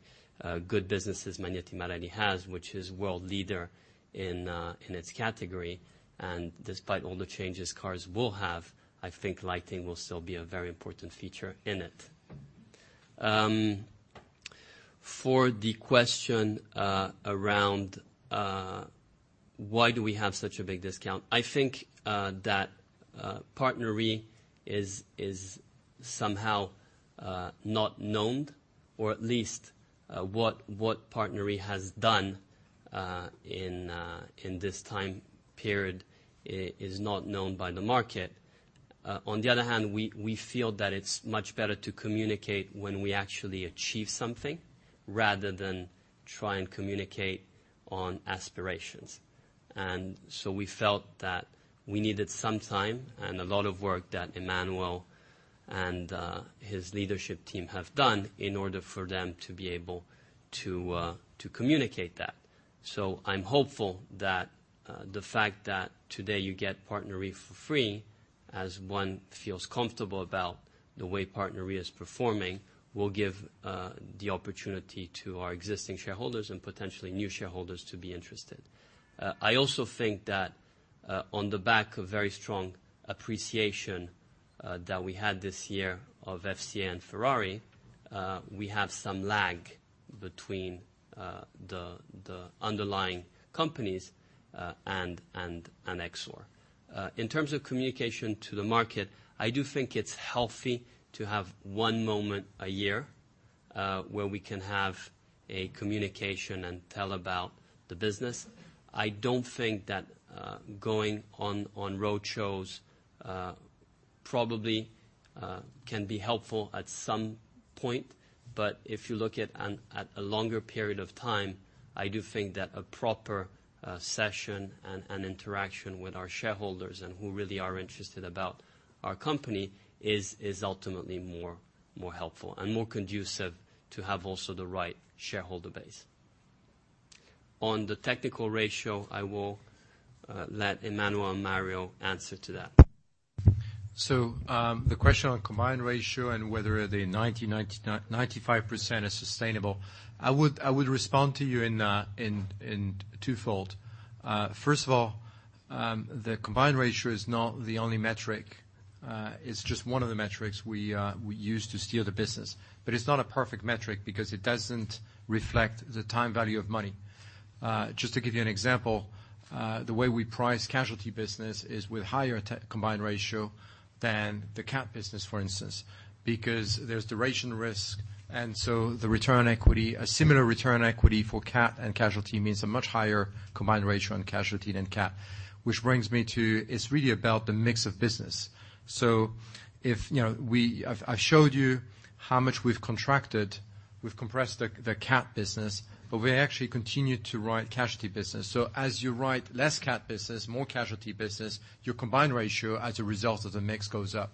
good businesses Magneti Marelli has, which is world leader in its category. Despite all the changes cars will have, I think lighting will still be a very important feature in it. For the question around why do we have such a big discount, I think that PartnerRe is somehow not known, or at least what PartnerRe has done in this time period is not known by the market. On the other hand, we feel that it's much better to communicate when we actually achieve something rather than try and communicate on aspirations. We felt that we needed some time and a lot of work that Emmanuel and his leadership team have done in order for them to be able to communicate that. I'm hopeful that the fact that today you get PartnerRe for free, as one feels comfortable about the way PartnerRe is performing, will give the opportunity to our existing shareholders and potentially new shareholders to be interested. I also think that on the back of very strong appreciation that we had this year of FCA and Ferrari, we have some lag between the underlying companies and Exor. In terms of communication to the market, I do think it's healthy to have one moment a year where we can have a communication and tell about the business. I don't think that going on road shows probably can be helpful at some point. If you look at a longer period of time, I do think that a proper session and interaction with our shareholders and who really are interested about our company is ultimately more helpful and more conducive to have also the right shareholder base. On the technical ratio, I will let Emmanuel and Mario answer to that. The question on combined ratio and whether the 90%-95% is sustainable, I would respond to you in twofold. First of all, the combined ratio is not the only metric. It's just one of the metrics we use to steer the business. It's not a perfect metric because it doesn't reflect the time value of money. Just to give you an example, the way we price casualty business is with higher combined ratio than the cat business, for instance, because there's duration risk, and so a similar return on equity for cat and casualty means a much higher combined ratio on casualty than cat. It's really about the mix of business. I showed you how much we've contracted. We've compressed the cat business, but we actually continued to write casualty business. As you write less cat business, more casualty business, your combined ratio as a result of the mix goes up.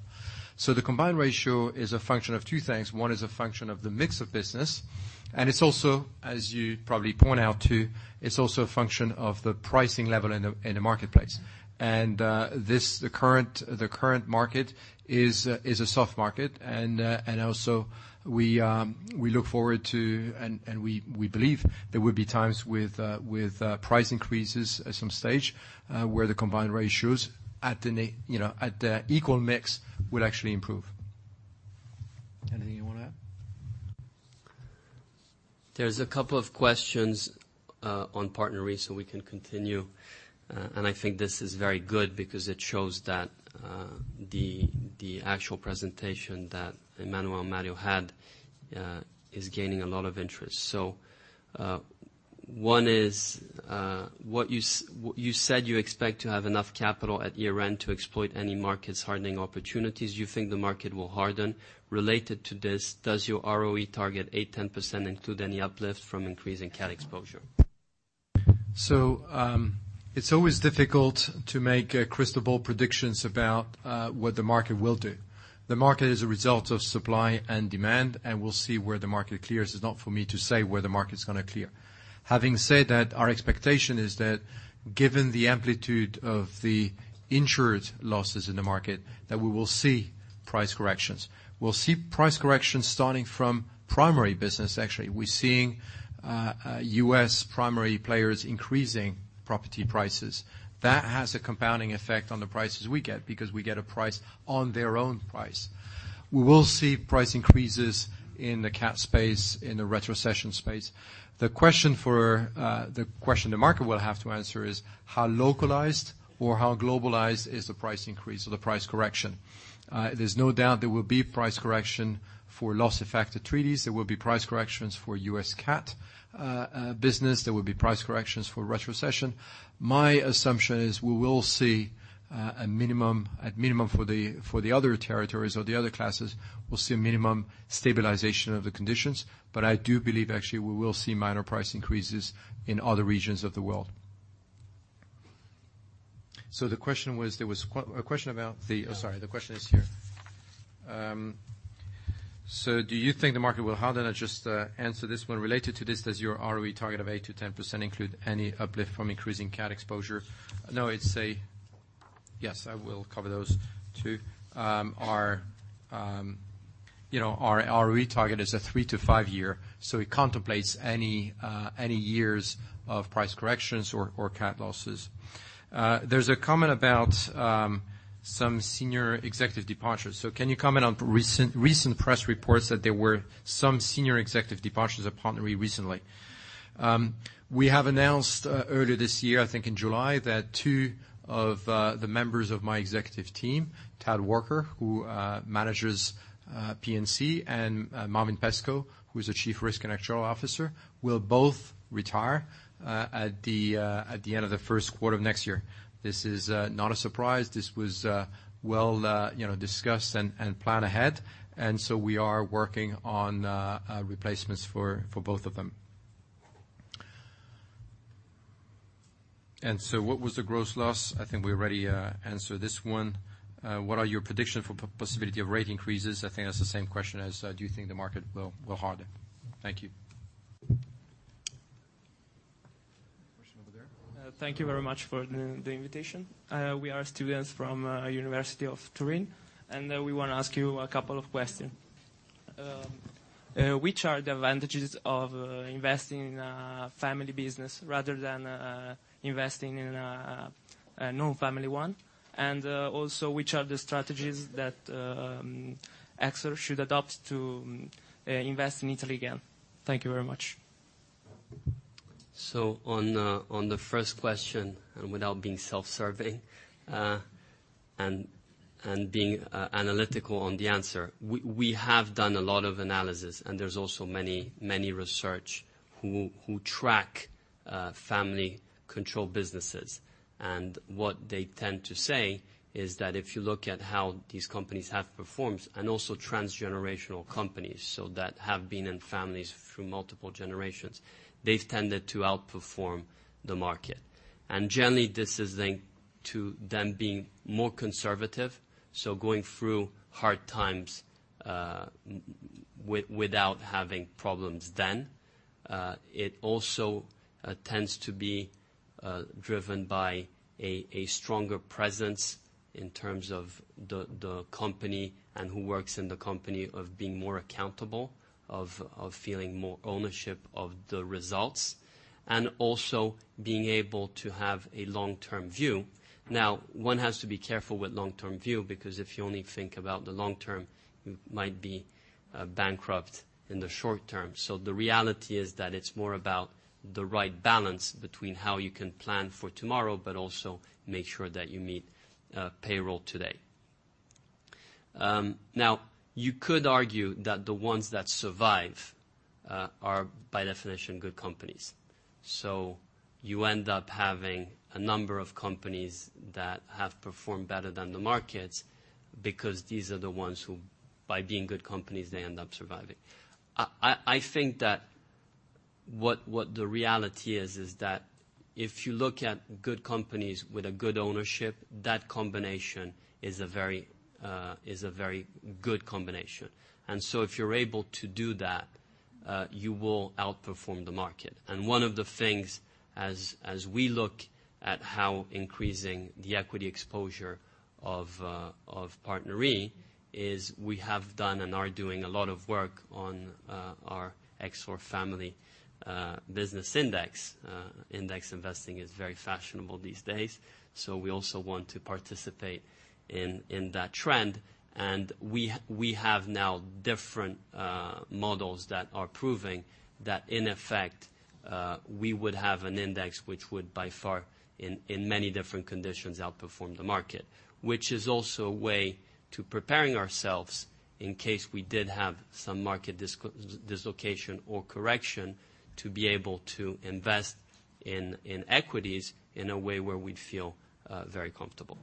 The combined ratio is a function of two things. One is a function of the mix of business, and it's also, as you probably point out too, it's also a function of the pricing level in the marketplace. The current market is a soft market, and also we look forward to, and we believe there will be times with price increases at some stage, where the combined ratios at the equal mix will actually improve. Anything you want to add? There's a couple of questions on PartnerRe, so we can continue. I think this is very good because it shows that the actual presentation that Emmanuel and Mario had is gaining a lot of interest. You said you expect to have enough capital at year-end to exploit any markets hardening opportunities. You think the market will harden. Related to this, does your ROE target 8%-10% include any uplift from increasing cat exposure? It's always difficult to make crystal ball predictions about what the market will do. The market is a result of supply and demand, and we'll see where the market clears. It's not for me to say where the market's going to clear. Having said that, our expectation is that given the amplitude of the insured losses in the market, that we will see price corrections. We'll see price corrections starting from primary business, actually. We're seeing U.S. primary players increasing property prices. That has a compounding effect on the prices we get, because we get a price on their own price. We will see price increases in the cat space, in the retrocession space. The question the market will have to answer is, how localized or how globalized is the price increase or the price correction? There's no doubt there will be price correction for loss-affected treaties. There will be price corrections for U.S. cat business. There will be price corrections for retrocession. My assumption is we will see, at minimum for the other territories or the other classes, we will see minimum stabilization of the conditions. I do believe, actually, we will see minor price increases in other regions of the world. The question was, there was a question about the Oh, sorry, the question is here. Do you think the market will handle it? I just answered this one. Related to this, does your ROE target of 8%-10% include any uplift from increasing cat exposure? No, it is a Yes, I will cover those two. Our ROE target is a three to five year, so it contemplates any years of price corrections or cat losses. There is a comment about some senior executive departures. Can you comment on recent press reports that there were some senior executive departures at PartnerRe recently? We have announced earlier this year, I think in July, that two of the members of my executive team, Tad Walker, who manages P&C, and Marvin Pestcoe, who is the Chief Risk and Actuarial Officer, will both retire at the end of the first quarter of next year. This is not a surprise. This was well discussed and planned ahead, we are working on replacements for both of them. What was the gross loss? I think we already answered this one. What are your prediction for possibility of rate increases? I think that is the same question as do you think the market will harden. Thank you. Question over there. Thank you very much for the invitation. We are students from University of Turin, we want to ask you a couple of questions. Which are the advantages of investing in a family business rather than investing in a non-family one? Which are the strategies that Exor should adopt to invest in Italy again? Thank you very much. On the first question, without being self-serving, being analytical on the answer, we have done a lot of analysis, there's also many research who track family-controlled businesses. What they tend to say is that if you look at how these companies have performed, also transgenerational companies, that have been in families through multiple generations, they've tended to outperform the market. Generally, this is linked to them being more conservative, going through hard times without having problems then. It also tends to be driven by a stronger presence in terms of the company and who works in the company, of being more accountable, of feeling more ownership of the results. Also being able to have a long-term view. One has to be careful with long-term view, because if you only think about the long term, you might be bankrupt in the short term. The reality is that it's more about the right balance between how you can plan for tomorrow, but also make sure that you meet payroll today. You could argue that the ones that survive are, by definition, good companies. You end up having a number of companies that have performed better than the markets, because these are the ones who, by being good companies, they end up surviving. I think that what the reality is that if you look at good companies with a good ownership, that combination is a very good combination. If you're able to do that, you will outperform the market. One of the things as we look at how increasing the equity exposure of PartnerRe is we have done and are doing a lot of work on our Global Family Business Index. Index investing is very fashionable these days, we also want to participate in that trend. We have now different models that are proving that, in effect, we would have an index which would by far, in many different conditions, outperform the market. Which is also a way to preparing ourselves in case we did have some market dislocation or correction to be able to invest in equities in a way where we'd feel very comfortable.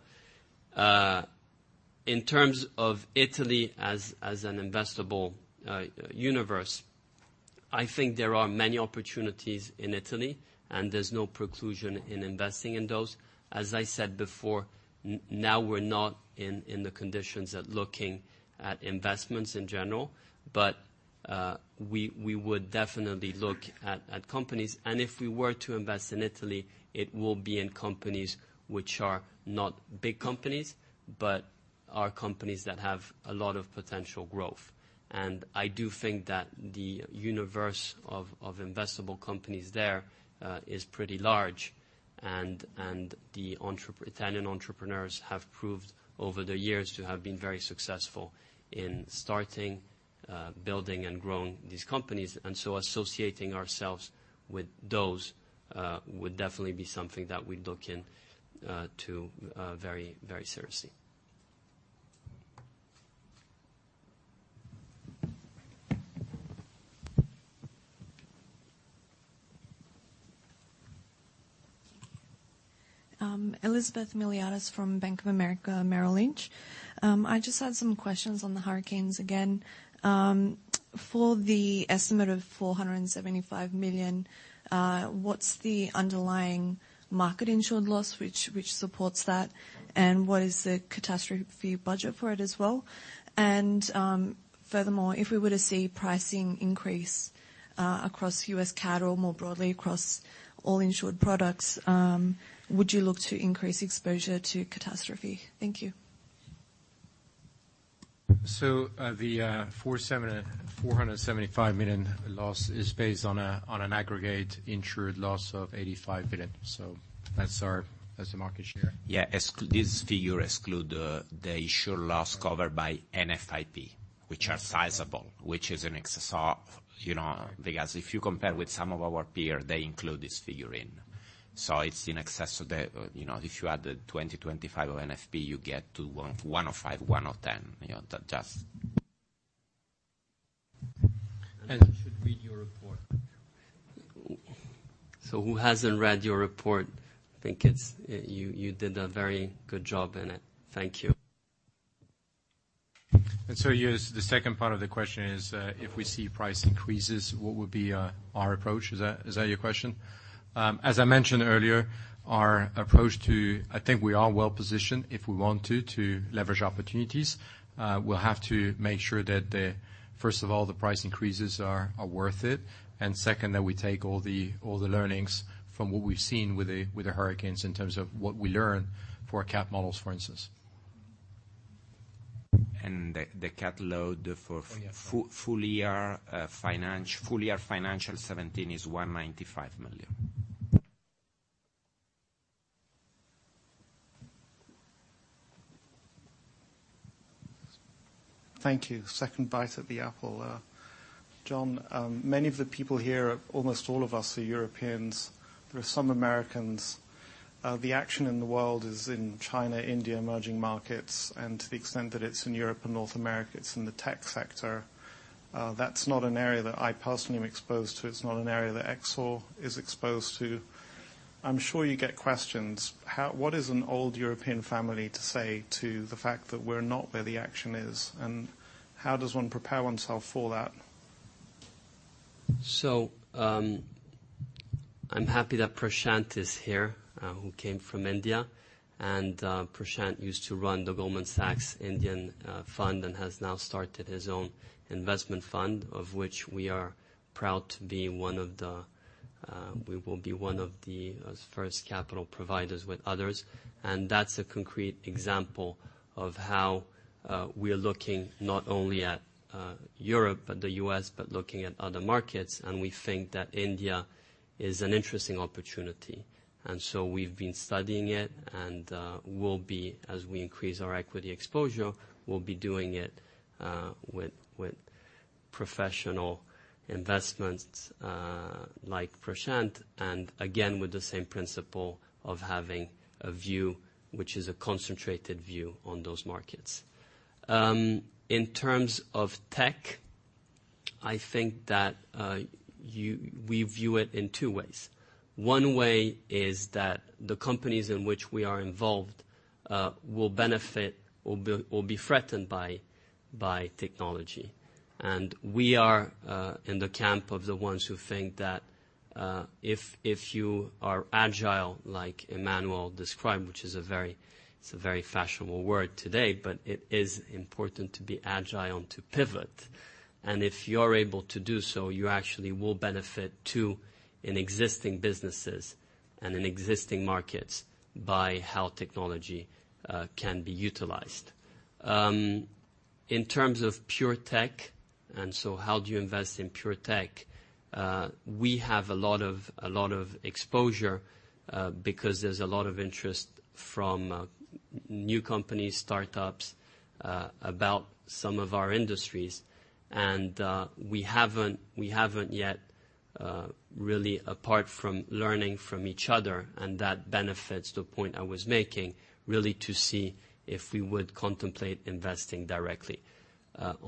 In terms of Italy as an investable universe, I think there are many opportunities in Italy, there's no preclusion in investing in those. As I said before, we're not in the conditions at looking at investments in general, but we would definitely look at companies. If we were to invest in Italy, it will be in companies which are not big companies, but are companies that have a lot of potential growth. I do think that the universe of investable companies there is pretty large and the Italian entrepreneurs have proved over the years to have been very successful in starting, building, and growing these companies. Associating ourselves with those would definitely be something that we'd look into very seriously. Elizabeth Miliatis from Bank of America Merrill Lynch. I just had some questions on the hurricanes again. For the estimate of 475 million, what's the underlying market insured loss which supports that? What is the catastrophe budget for it as well? Furthermore, if we were to see pricing increase across U.S. cat or more broadly across all insured products, would you look to increase exposure to catastrophe? Thank you. The 475 million loss is based on an aggregate insured loss of 85 million. That's our market share. Yeah. These figures exclude the insured loss covered by NFIP, which are sizable. Because if you compare with some of our peers, they include this figure in. It's in excess of the, if you add the 20 million-25 million of NFIP, you get to 105 million-110 million. You should read your report. Who hasn't read your report? I think you did a very good job in it. Thank you. The second part of the question is, if we see price increases, what would be our approach? Is that your question? As I mentioned earlier, our approach to I think we are well positioned if we want to leverage opportunities. We'll have to make sure that first of all, the price increases are worth it. Second, that we take all the learnings from what we've seen with the hurricanes in terms of what we learn for our cat models, for instance. The cat load for Oh, yeah full year financial 2017 is 195 million. Thank you. Second bite at the apple. John, many of the people here, almost all of us are Europeans. There are some Americans. The action in the world is in China, India, emerging markets, and to the extent that it's in Europe and North America, it's in the tech sector. That's not an area that I personally am exposed to. It's not an area that Exor is exposed to. I'm sure you get questions. What is an old European family to say to the fact that we're not where the action is, and how does one prepare oneself for that? I'm happy that Prashant is here, who came from India, Prashant used to run the Goldman Sachs Indian fund and has now started his own investment fund, of which we will be one of the first capital providers with others. That's a concrete example of how we are looking not only at Europe and the U.S., but looking at other markets. We think that India is an interesting opportunity. We've been studying it, and as we increase our equity exposure, we'll be doing it with professional investments like Prashant, and again, with the same principle of having a view, which is a concentrated view on those markets. In terms of tech, I think that we view it in two ways. One way is that the companies in which we are involved will benefit or be threatened by technology. We are in the camp of the ones who think that if you are agile, like Emmanuel described, which it's a very fashionable word today, but it is important to be agile and to pivot. If you're able to do so, you actually will benefit too in existing businesses and in existing markets by how technology can be utilized. In terms of pure tech, how do you invest in pure tech? We have a lot of exposure, because there's a lot of interest from new companies, startups, about some of our industries. We haven't yet really, apart from learning from each other, and that benefits the point I was making, really to see if we would contemplate investing directly. The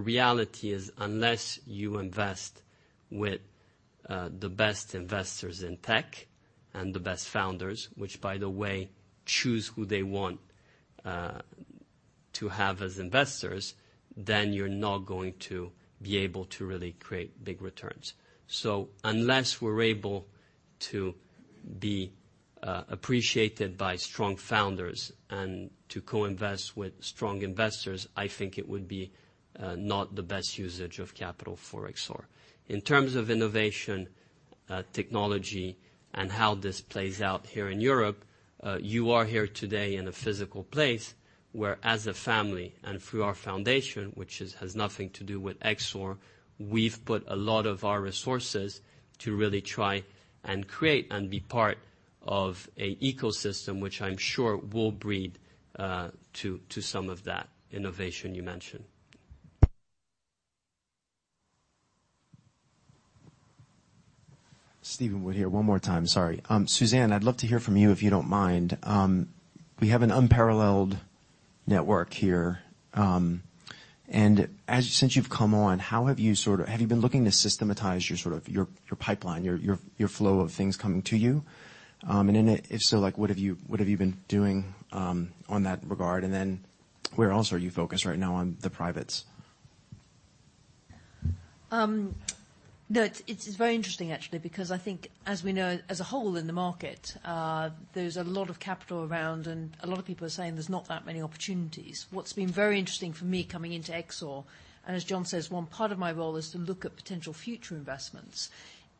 reality is, unless you invest with the best investors in tech and the best founders, which by the way, choose who they want to have as investors, you're not going to be able to really create big returns. Unless we're able to be appreciated by strong founders and to co-invest with strong investors, I think it would be not the best usage of capital for Exor. In terms of innovation, technology, and how this plays out here in Europe, you are here today in a physical place where, as a family and through our foundation, which has nothing to do with Exor, we've put a lot of our resources to really try and create and be part of a ecosystem, which I'm sure will breed to some of that innovation you mentioned. Stephen Wood here. One more time, sorry. Suzanne, I'd love to hear from you, if you don't mind. We have an unparalleled network here. Since you've come on, have you been looking to systematize your pipeline, your flow of things coming to you? If so, what have you been doing on that regard? Where else are you focused right now on the privates? No, it's very interesting, actually, because I think as we know, as a whole in the market, there's a lot of capital around, a lot of people are saying there's not that many opportunities. What's been very interesting for me coming into Exor, as John says, one part of my role is to look at potential future investments,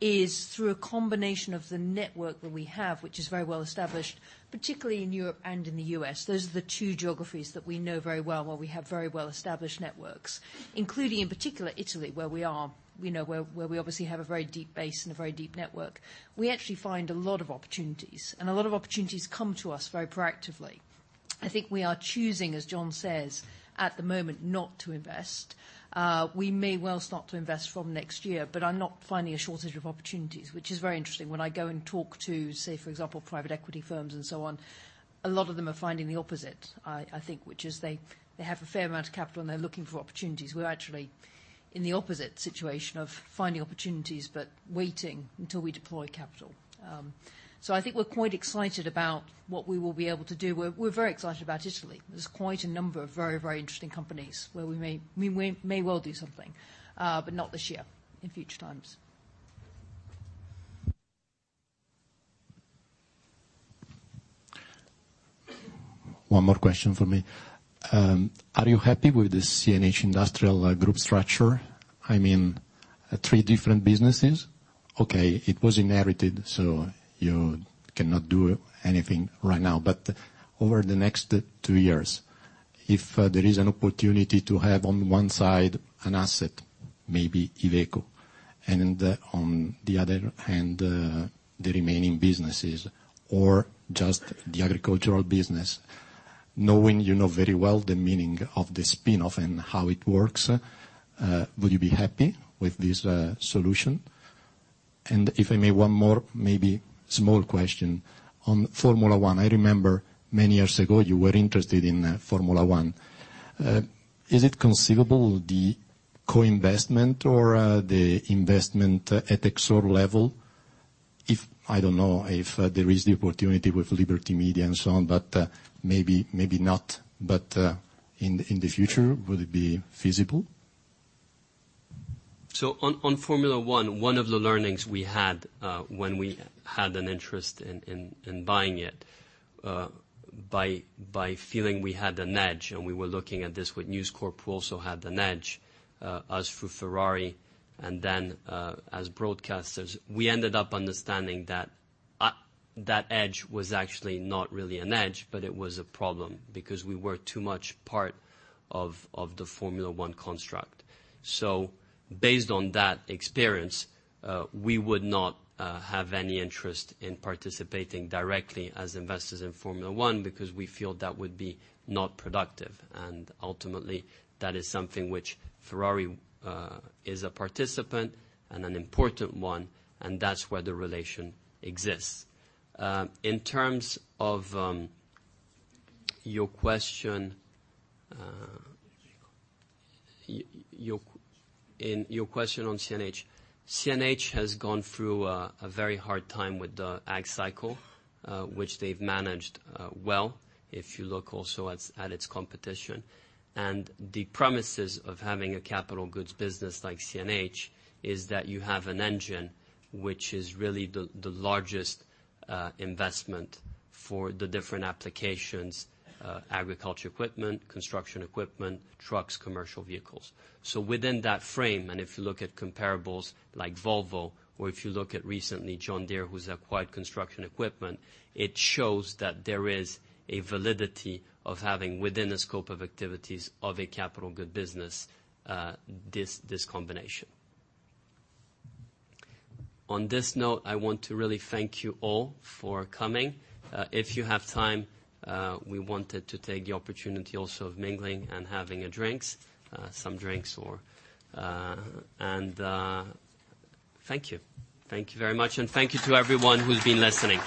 is through a combination of the network that we have, which is very well established, particularly in Europe and in the U.S. Those are the two geographies that we know very well, where we have very well-established networks, including in particular Italy, where we obviously have a very deep base and a very deep network. We actually find a lot of opportunities, a lot of opportunities come to us very proactively. I think we are choosing, as John says, at the moment, not to invest. We may well start to invest from next year. I'm not finding a shortage of opportunities, which is very interesting. When I go and talk to, say, for example, private equity firms and so on, a lot of them are finding the opposite. I think, which is, they have a fair amount of capital, and they're looking for opportunities. We're actually in the opposite situation of finding opportunities but waiting until we deploy capital. I think we're quite excited about what we will be able to do. We're very excited about Italy. There's quite a number of very interesting companies where we may well do something. Not this year. In future times. One more question from me. Are you happy with the CNH Industrial group structure? I mean, three different businesses. Okay, it was inherited, so you cannot do anything right now. Over the next two years, if there is an opportunity to have, on one side, an asset, maybe Iveco, and on the other hand, the remaining businesses, or just the agricultural business, knowing you know very well the meaning of the spin-off and how it works, would you be happy with this solution? If I may, one more maybe small question on Formula 1. I remember many years ago, you were interested in Formula 1. Is it conceivable, the co-investment or the investment at Exor level? I don't know if there is the opportunity with Liberty Media and so on. Maybe not. In the future, would it be feasible? On Formula 1, one of the learnings we had when we had an interest in buying it, by feeling we had an edge, and we were looking at this with News Corp, who also had an edge, us through Ferrari, and then as broadcasters. We ended up understanding that that edge was actually not really an edge, but it was a problem because we were too much part of the Formula 1 construct. Based on that experience, we would not have any interest in participating directly as investors in Formula 1 because we feel that would be not productive. Ultimately, that is something which Ferrari is a participant, and an important one, and that's where the relation exists. In terms of your question on CNH has gone through a very hard time with the ag cycle, which they've managed well, if you look also at its competition. The premises of having a capital goods business like CNH is that you have an engine, which is really the largest investment for the different applications, agriculture equipment, construction equipment, trucks, commercial vehicles. Within that frame, and if you look at comparables like Volvo, or if you look at recently John Deere, who's acquired construction equipment, it shows that there is a validity of having within the scope of activities of a capital good business, this combination. On this note, I want to really thank you all for coming. If you have time, we wanted to take the opportunity also of mingling and having some drinks. Thank you. Thank you very much, and thank you to everyone who's been listening.